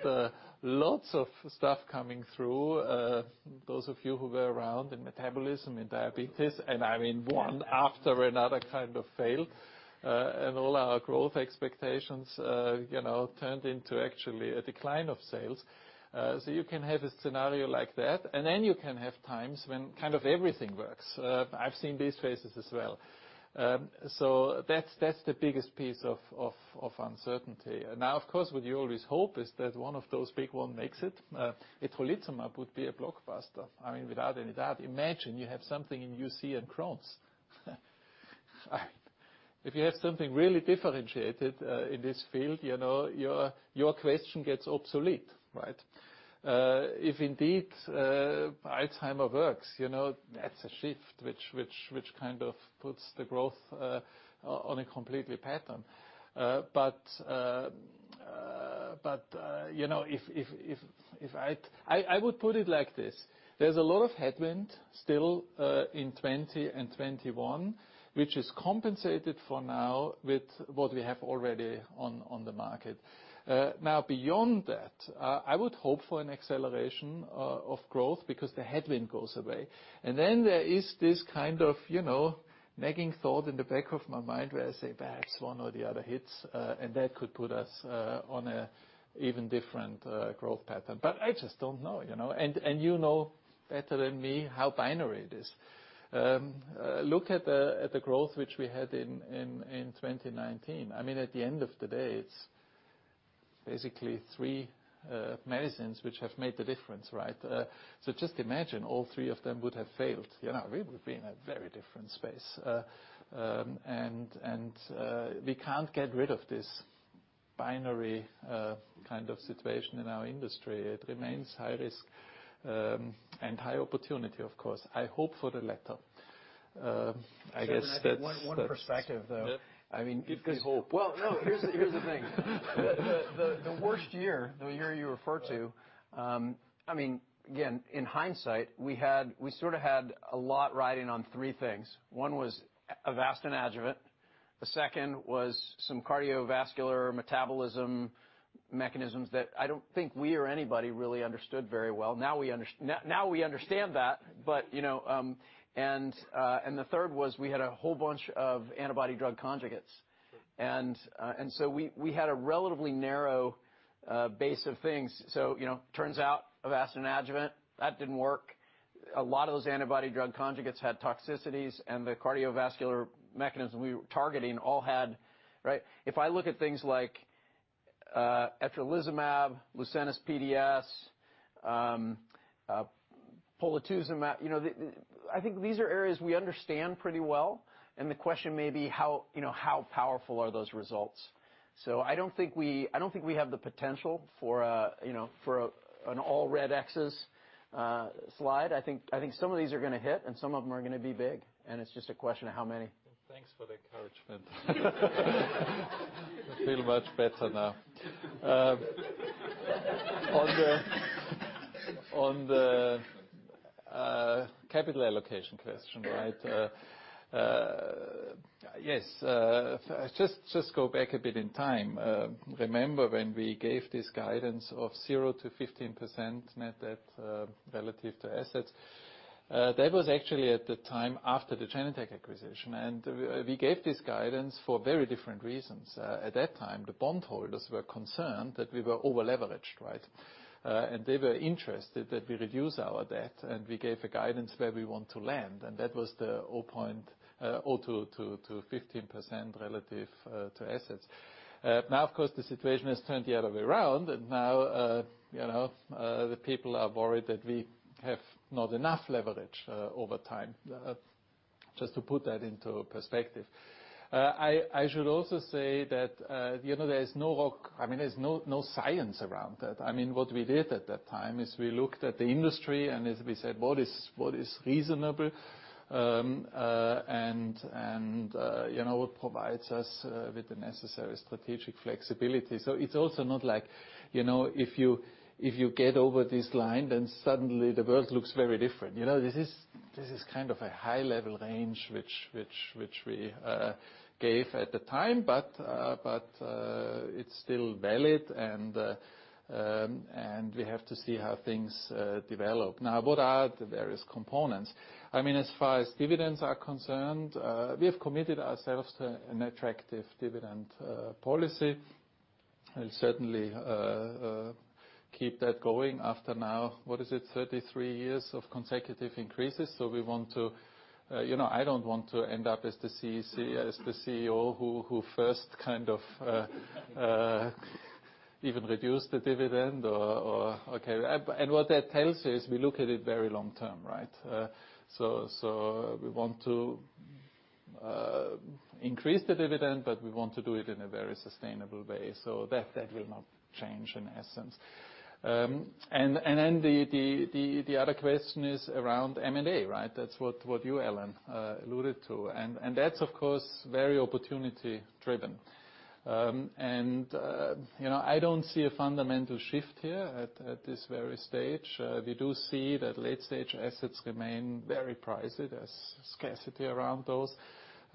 lots of stuff coming through, those of you who were around in metabolism, in diabetes, and I mean, one after another kind of failed. All our growth expectations turned into actually a decline of sales. You can have a scenario like that, and then you can have times when kind of everything works. I've seen these phases as well. That's the biggest piece of uncertainty. Of course, what you always hope is that one of those big one makes it. Etrolizumab would be a blockbuster. I mean, without any doubt. Imagine you have something in UC and Crohn's. If you have something really differentiated in this field, your question gets obsolete, right? If indeed Alzheimer's works, that's a shift which kind of puts the growth on a completely pattern. I would put it like this: there's a lot of headwind still in 2020 and 2021, which is compensated for now with what we have already on the market. Beyond that, I would hope for an acceleration of growth because the headwind goes away. Then there is this kind of nagging thought in the back of my mind where I say, "Perhaps one or the other hits," and that could put us on an even different growth pattern. I just don't know. You know better than me how binary it is. Look at the growth which we had in 2019. At the end of the day, it's basically three medicines which have made the difference, right? Just imagine all three of them would have failed. We would be in a very different space. We can't get rid of this binary kind of situation in our industry. It remains high risk, and high opportunity, of course. I hope for the latter. One perspective, though. Yeah. Give me hope. Well, no. Here's the thing. The worst year, the year you refer to, again, in hindsight, we sort of had a lot riding on three things. One was Avastin adjuvant. The second was some cardiovascular metabolism mechanisms that I don't think we or anybody really understood very well. Now we understand that. The third was we had a whole bunch of antibody drug conjugates. We had a relatively narrow base of things. It turns out Avastin adjuvant, that didn't work. A lot of those antibody drug conjugates had toxicities, and the cardiovascular mechanism we were targeting. If I look at things like etrolizumab, Lucentis PDS, polatuzumab, I think these are areas we understand pretty well, and the question may be how powerful are those results? I don't think we have the potential for an all red X's slide. I think some of these are going to hit, and some of them are going to be big, and it's just a question of how many. Thanks for the encouragement. I feel much better now. On the capital allocation question. Yes. Just go back a bit in time. Remember when we gave this guidance of 0%-15% net debt relative to assets? That was actually at the time after the Genentech acquisition. We gave this guidance for very different reasons. At that time, the bondholders were concerned that we were over-leveraged, right? They were interested that we reduce our debt, and we gave a guidance where we want to land, and that was the 0.02%-15% relative to assets. Now, of course, the situation has turned the other way around, and now the people are worried that we have not enough leverage over time. Just to put that into perspective. I should also say that there is no science around that. What we did at that time is we looked at the industry, as we said, what is reasonable? What provides us with the necessary strategic flexibility? It's also not like if you get over this line, then suddenly the world looks very different. This is kind of a high-level range which we gave at the time, but it's still valid and we have to see how things develop. Now, what are the various components? As far as dividends are concerned, we have committed ourselves to an attractive dividend policy. We'll certainly keep that going after now, what is it? 33 years of consecutive increases. I don't want to end up as the CEO who first kind of even reduced the dividend. What that tells you is we look at it very long term, right? We want to increase the dividend, but we want to do it in a very sustainable way. That will not change in essence. The other question is around M&A, right? That's what you, Alan, alluded to. That's, of course, very opportunity driven. I don't see a fundamental shift here at this very stage. We do see that late-stage assets remain very pricey. There's scarcity around those.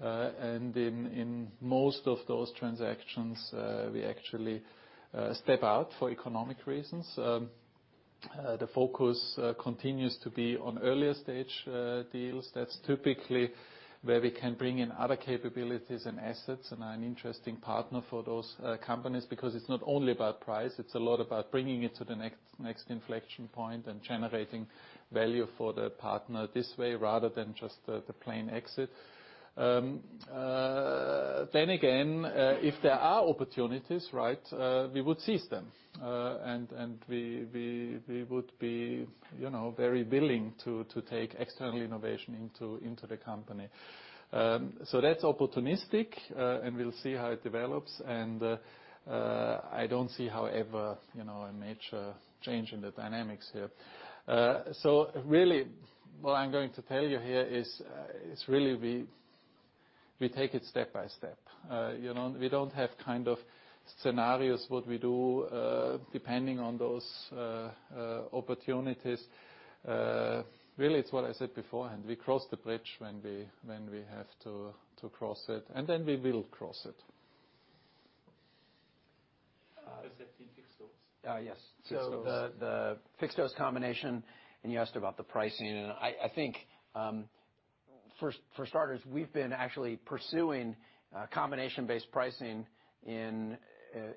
In most of those transactions, we actually step out for economic reasons. The focus continues to be on earlier stage deals. That's typically where we can bring in other capabilities and assets and are an interesting partner for those companies because it's not only about price, it's a lot about bringing it to the next inflection point and generating value for the partner this way rather than just the plain exit. If there are opportunities, we would seize them. We would be very willing to take external innovation into the company. That's opportunistic, and we'll see how it develops, and I don't see, however, a major change in the dynamics here. Really, what I'm going to tell you here is really We take it step by step. We don't have scenarios, what we do, depending on those opportunities. It's what I said beforehand, we cross the bridge when we have to cross it, and then we will cross it. Accepting fixed dose? Yes. The fixed dose combination, and you asked about the pricing. I think, for starters, we've been actually pursuing combination-based pricing in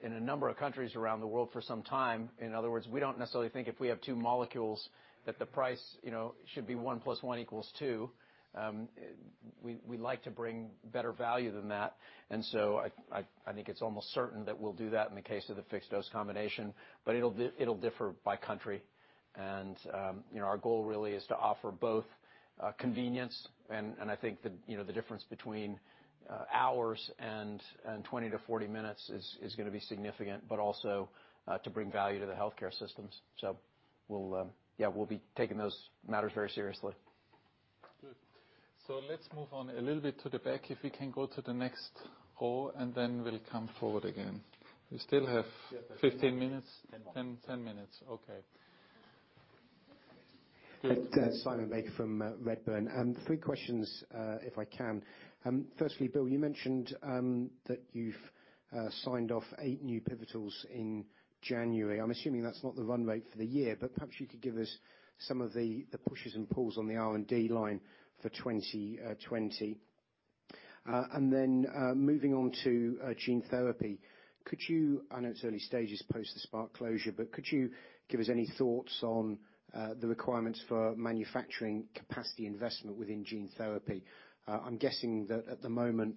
a number of countries around the world for some time. In other words, we don't necessarily think if we have two molecules that the price should be one plus one equals two. We like to bring better value than that. I think it's almost certain that we'll do that in the case of the fixed dose combination, but it'll differ by country. Our goal really is to offer both convenience, and I think the difference between hours and 20 to 40 minutes is going to be significant, but also to bring value to the healthcare systems. We'll be taking those matters very seriously. Good. Let's move on a little bit to the back, if we can go to the next row, we'll come forward again. We still have 15 minutes? 10 more. 10 minutes. Okay. Simon Baker from Redburn. three questions, if I can. Firstly, Bill, you mentioned that you've signed off eight new pivotals in January. I'm assuming that's not the run rate for the year, but perhaps you could give us some of the pushes and pulls on the R&D line for 2020. Moving on to gene therapy. I know it's early stages post the Spark closure, but could you give us any thoughts on the requirements for manufacturing capacity investment within gene therapy? I'm guessing that at the moment,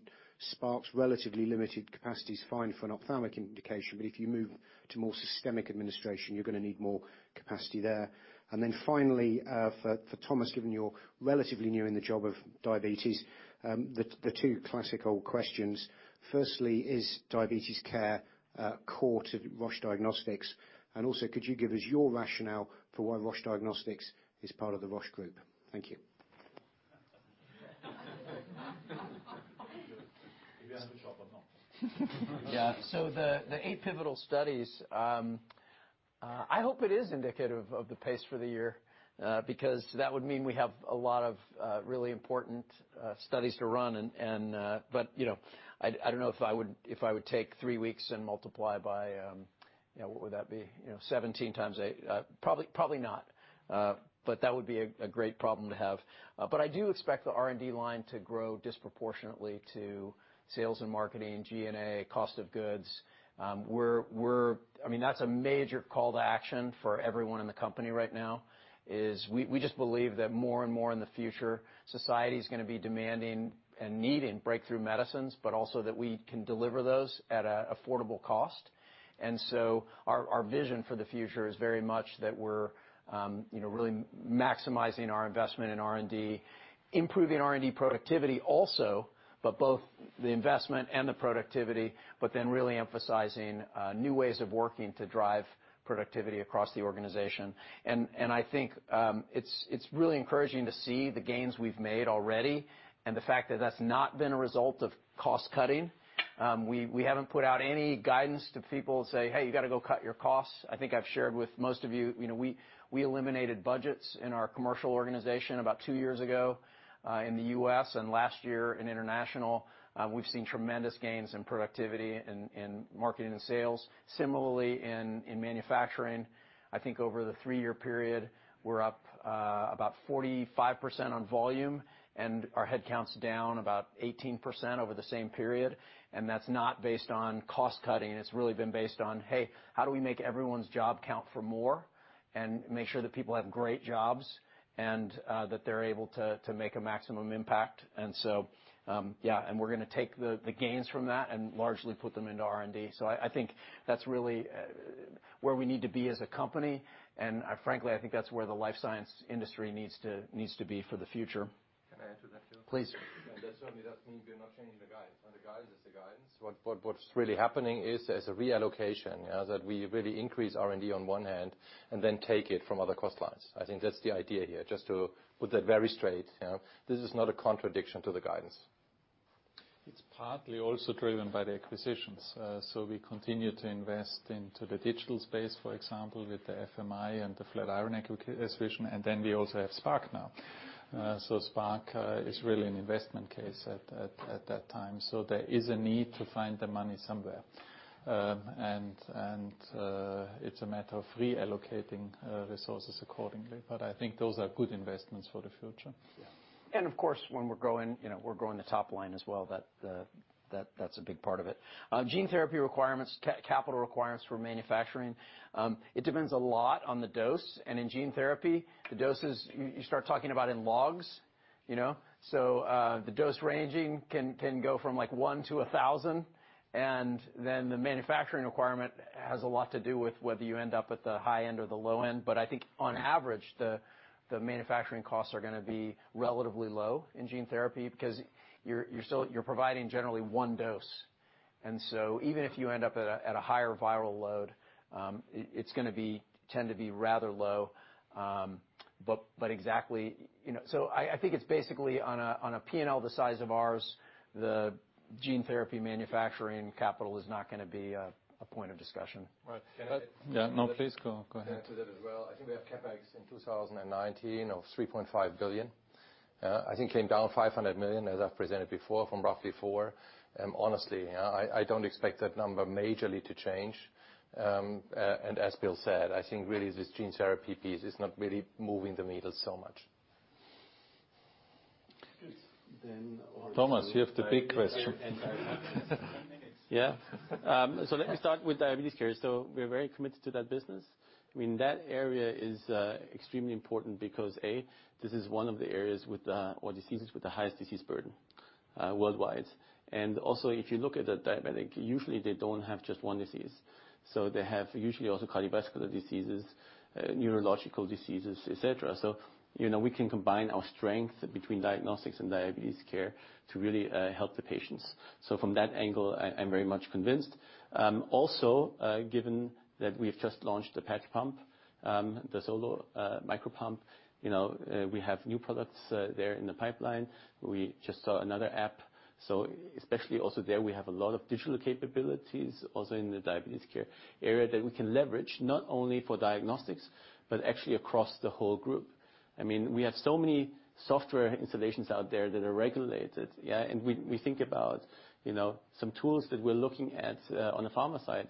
Spark's relatively limited capacity is fine for an ophthalmic indication, but if you move to more systemic administration, you're going to need more capacity there. Finally, for Thomas, given you're relatively new in the job of diabetes, the two classical questions. Firstly, is diabetes care core to Roche Diagnostics? Also, could you give us your rationale for why Roche Diagnostics is part of the Roche Group? Thank you. Yeah. The eight pivotal studies, I hope it is indicative of the pace for the year, because that would mean we have a lot of really important studies to run, but I don't know if I would take three weeks and multiply by, what would that be? 17 times eight. Probably not. That would be a great problem to have. I do expect the R&D line to grow disproportionately to sales and marketing, G&A, cost of goods. That's a major call to action for everyone in the company right now, is we just believe that more and more in the future, society's going to be demanding and needing breakthrough medicines, but also that we can deliver those at an affordable cost. Our vision for the future is very much that we're really maximizing our investment in R&D, improving R&D productivity also, but both the investment and the productivity, but then really emphasizing new ways of working to drive productivity across the organization. I think it's really encouraging to see the gains we've made already and the fact that that's not been a result of cost cutting. We haven't put out any guidance to people to say, "Hey, you got to go cut your costs." I think I've shared with most of you, we eliminated budgets in our commercial organization about two years ago in the U.S., and last year in international. We've seen tremendous gains in productivity in marketing and sales. Similarly, in manufacturing, I think over the three-year period, we're up about 45% on volume. Our headcount's down about 18% over the same period. That's not based on cost cutting. It's really been based on, hey, how do we make everyone's job count for more and make sure that people have great jobs and that they're able to make a maximum impact? Yeah. We're going to take the gains from that and largely put them into R&D. I think that's really where we need to be as a company, and frankly, I think that's where the life science industry needs to be for the future. Can I answer that, Bill? Please. That certainly doesn't mean we are not changing the guidance. The guidance is the guidance. What's really happening is there's a reallocation, that we really increase R&D on one hand and then take it from other cost lines. I think that's the idea here, just to put that very straight. This is not a contradiction to the guidance. It's partly also driven by the acquisitions. We continue to invest into the digital space, for example, with the FMI and the Flatiron acquisition, and then we also have Spark now. Spark is really an investment case at that time. There is a need to find the money somewhere. It's a matter of reallocating resources accordingly. I think those are good investments for the future. Yeah. Of course, when we're growing, we're growing the top line as well. That's a big part of it. Gene therapy requirements, capital requirements for manufacturing. It depends a lot on the dose, and in gene therapy, the doses, you start talking about in logs. The dose ranging can go from one to 1,000, and then the manufacturing requirement has a lot to do with whether you end up with the high end or the low end. I think on average, the manufacturing costs are going to be relatively low in gene therapy because you're providing generally one dose. Even if you end up at a higher viral load, it's going to tend to be rather low. I think it's basically on a P&L the size of ours, the gene therapy manufacturing capital is not going to be a point of discussion. Right. Yeah, no, please go ahead. To add to that as well, I think we have CapEx in 2019 of 3.5 billion. I think came down 500 million, as I've presented before, from roughly four. Honestly, I don't expect that number majorly to change. As Bill said, I think really this gene therapy piece is not really moving the needle so much. Thomas, you have the big question. Let me start with diabetes care. We're very committed to that business. That area is extremely important because, A, this is one of the areas or diseases with the highest disease burden worldwide. If you look at the diabetic, usually they don't have just one disease. They have usually also cardiovascular diseases, neurological diseases, et cetera. We can combine our strength between diagnostics and diabetes care to really help the patients. From that angle, I'm very much convinced. Also, given that we've just launched the patch pump, the Accu-Chek Solo micropump. We have new products there in the pipeline. We just saw another app. Especially also there, we have a lot of digital capabilities also in the diabetes care area that we can leverage, not only for diagnostics, but actually across the whole group. We have so many software installations out there that are regulated. Yeah. We think about some tools that we're looking at on the pharma side,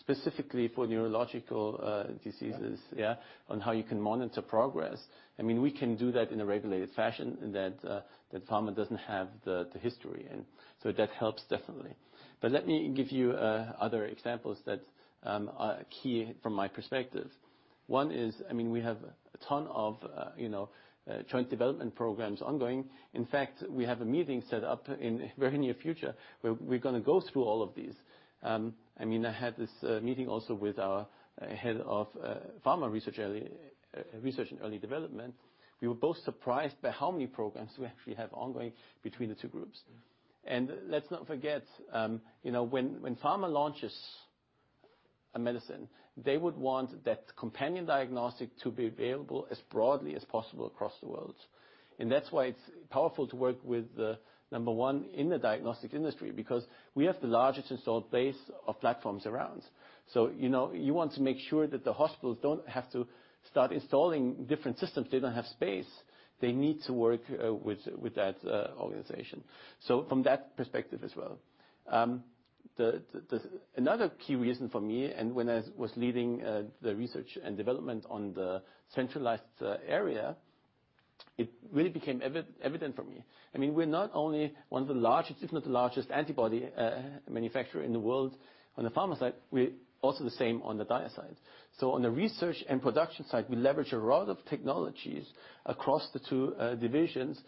specifically for neurological diseases. Yeah Yeah, on how you can monitor progress. We can do that in a regulated fashion in that pharma doesn't have the history, and so that helps definitely. Let me give you other examples that are key from my perspective. One is, we have a ton of joint development programs ongoing. In fact, we have a meeting set up in the very near future where we're going to go through all of these. I had this meeting also with our head of Pharma research and early development. We were both surprised by how many programs we actually have ongoing between the two groups. Let's not forget, when pharma launches a medicine, they would want that companion diagnostic to be available as broadly as possible across the world. That's why it's powerful to work with the number one in the diagnostic industry, because we have the largest installed base of platforms around. You want to make sure that the hospitals don't have to start installing different systems. They don't have space. They need to work with that organization. From that perspective as well. Another key reason for me, and when I was leading the research and development on the centralized area, it really became evident for me. We're not only one of the largest, if not the largest antibody manufacturer in the world on the pharma side, we're also the same on the Dia side. On the research and production side, we leverage a lot of technologies across the two divisions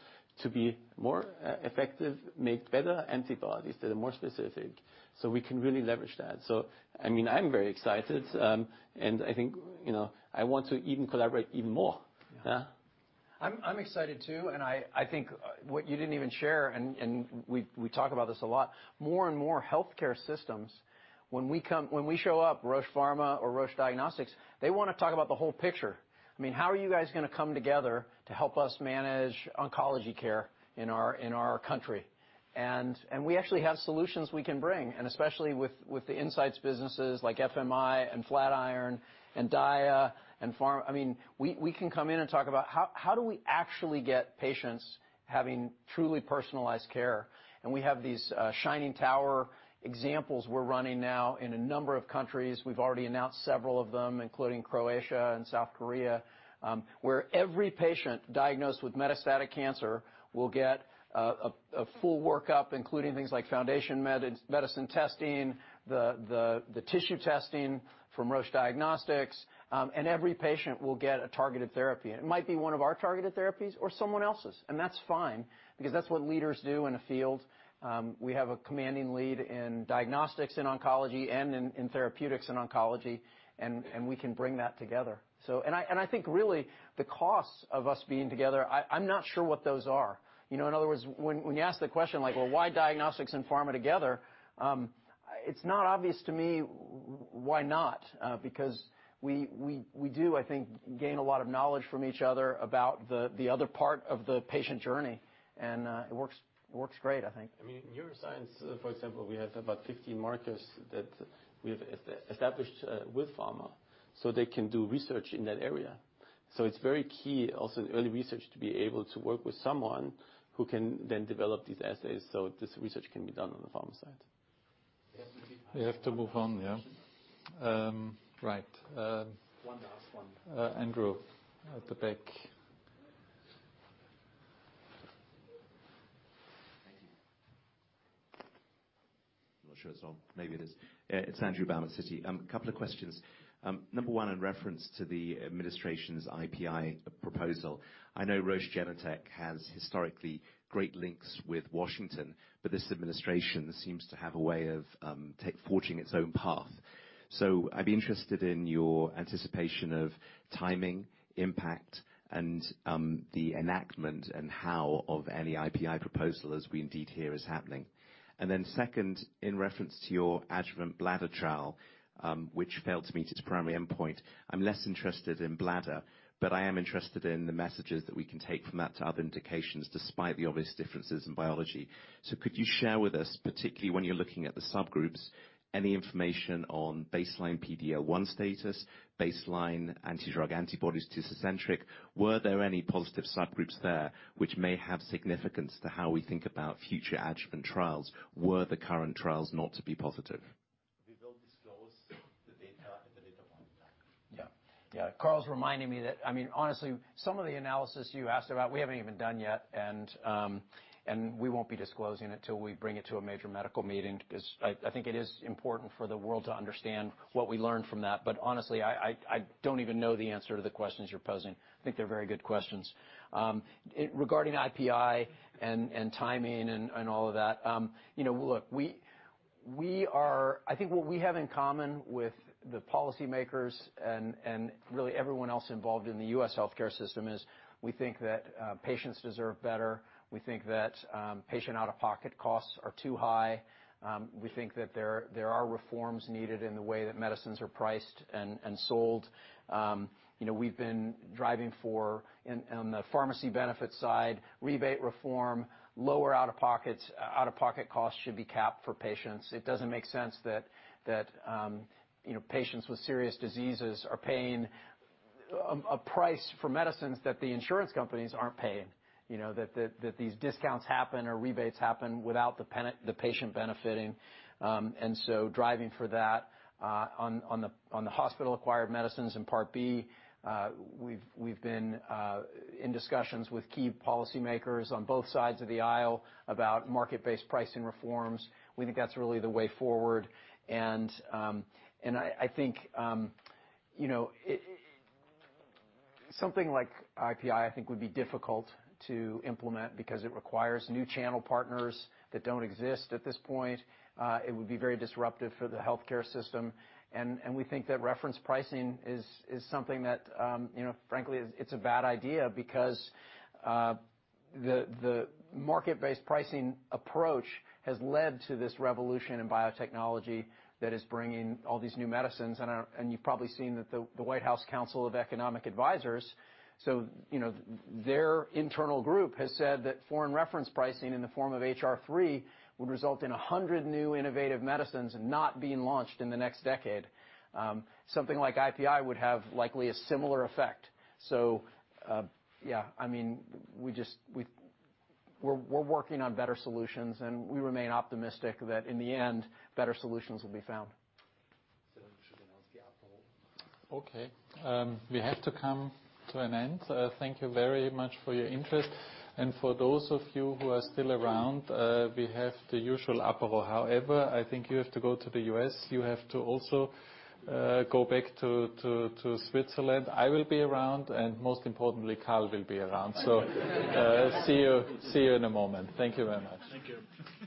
to be more effective, make better antibodies that are more specific, so we can really leverage that. I'm very excited, and I think, I want to even collaborate even more. Yeah. I'm excited too, and I think what you didn't even share, and we talk about this a lot, more and more healthcare systems, when we show up, Roche Pharma or Roche Diagnostics, they want to talk about the whole picture. How are you guys going to come together to help us manage oncology care in our country? We actually have solutions we can bring, especially with the insights businesses like FMI and Flatiron and Dia and Pharma. We can come in and talk about how do we actually get patients having truly personalized care. We have these shining tower examples we are running now in a number of countries. We've already announced several of them, including Croatia and South Korea, where every patient diagnosed with metastatic cancer will get a full workup, including things like Foundation Medicine testing, the tissue testing from Roche Diagnostics. Every patient will get a targeted therapy, and it might be one of our targeted therapies or someone else's, and that's fine because that's what leaders do in a field. We have a commanding lead in diagnostics in oncology and in therapeutics in oncology, and we can bring that together. I think really the costs of us being together, I'm not sure what those are. In other words, when you ask the question, like, well, why diagnostics and pharma together? It's not obvious to me why not? We do, I think, gain a lot of knowledge from each other about the other part of the patient journey, and it works great, I think. Neuroscience, for example, we have about 15 markers that we have established with pharma, so they can do research in that area. It's very key also in early research to be able to work with someone who can then develop these assays so this research can be done on the pharma side. We have to move on, yeah. Right. One last one. Andrew at the back. I'm not sure it's on. Maybe it is. It's Andrew Baum, Citi. A couple of questions. Number 1, in reference to the administration's IPI proposal. I know Roche Genentech has historically great links with Washington, but this administration seems to have a way of forging its own path. I'd be interested in your anticipation of timing, impact, and the enactment and how of any IPI proposal, as we indeed hear is happening. Second, in reference to your adjuvant bladder trial, which failed to meet its primary endpoint. I'm less interested in bladder, but I am interested in the messages that we can take from that to other indications, despite the obvious differences in biology. Could you share with us, particularly when you're looking at the subgroups, any information on baseline PD-L1 status, baseline anti-drug antibodies to Tecentriq? Were there any positive subgroups there which may have significance to how we think about future adjuvant trials, were the current trials not to be positive? We will disclose the data at the data point in time. Karl's reminding me that, honestly, some of the analysis you asked about we haven't even done yet, and we won't be disclosing it till we bring it to a major medical meeting, because I think it is important for the world to understand what we learned from that. Honestly, I don't even know the answer to the questions you're posing. I think they're very good questions. Regarding IPI and timing, all of that, look, I think what we have in common with the policymakers and really everyone else involved in the U.S. healthcare system is we think that patients deserve better. We think that patient out-of-pocket costs are too high. We think that there are reforms needed in the way that medicines are priced and sold. We've been driving for, on the pharmacy benefit side, rebate reform, lower out-of-pocket costs should be capped for patients. It doesn't make sense that patients with serious diseases are paying a price for medicines that the insurance companies aren't paying. These discounts happen or rebates happen without the patient benefiting. Driving for that. On the hospital-acquired medicines in Part B, we've been in discussions with key policymakers on both sides of the aisle about market-based pricing reforms. We think that's really the way forward, and I think something like IPI would be difficult to implement, because it requires new channel partners that don't exist at this point. It would be very disruptive for the healthcare system, and we think that reference pricing is something that, frankly, it's a bad idea because the market-based pricing approach has led to this revolution in biotechnology that is bringing all these new medicines. You've probably seen that the White House Council of Economic Advisers, so their internal group, has said that foreign reference pricing in the form of H.R. 3 would result in 100 new innovative medicines not being launched in the next decade. Something like IPI would have likely a similar effect. Yeah. We're working on better solutions, and we remain optimistic that in the end, better solutions will be found. We should announce the Apéro. Okay. We have to come to an end. Thank you very much for your interest. For those of you who are still around, we have the usual Apéro. However, I think you have to go to the U.S. You have to also go back to Switzerland. I will be around, and most importantly, Karl will be around. See you in a moment. Thank you very much. Thank you.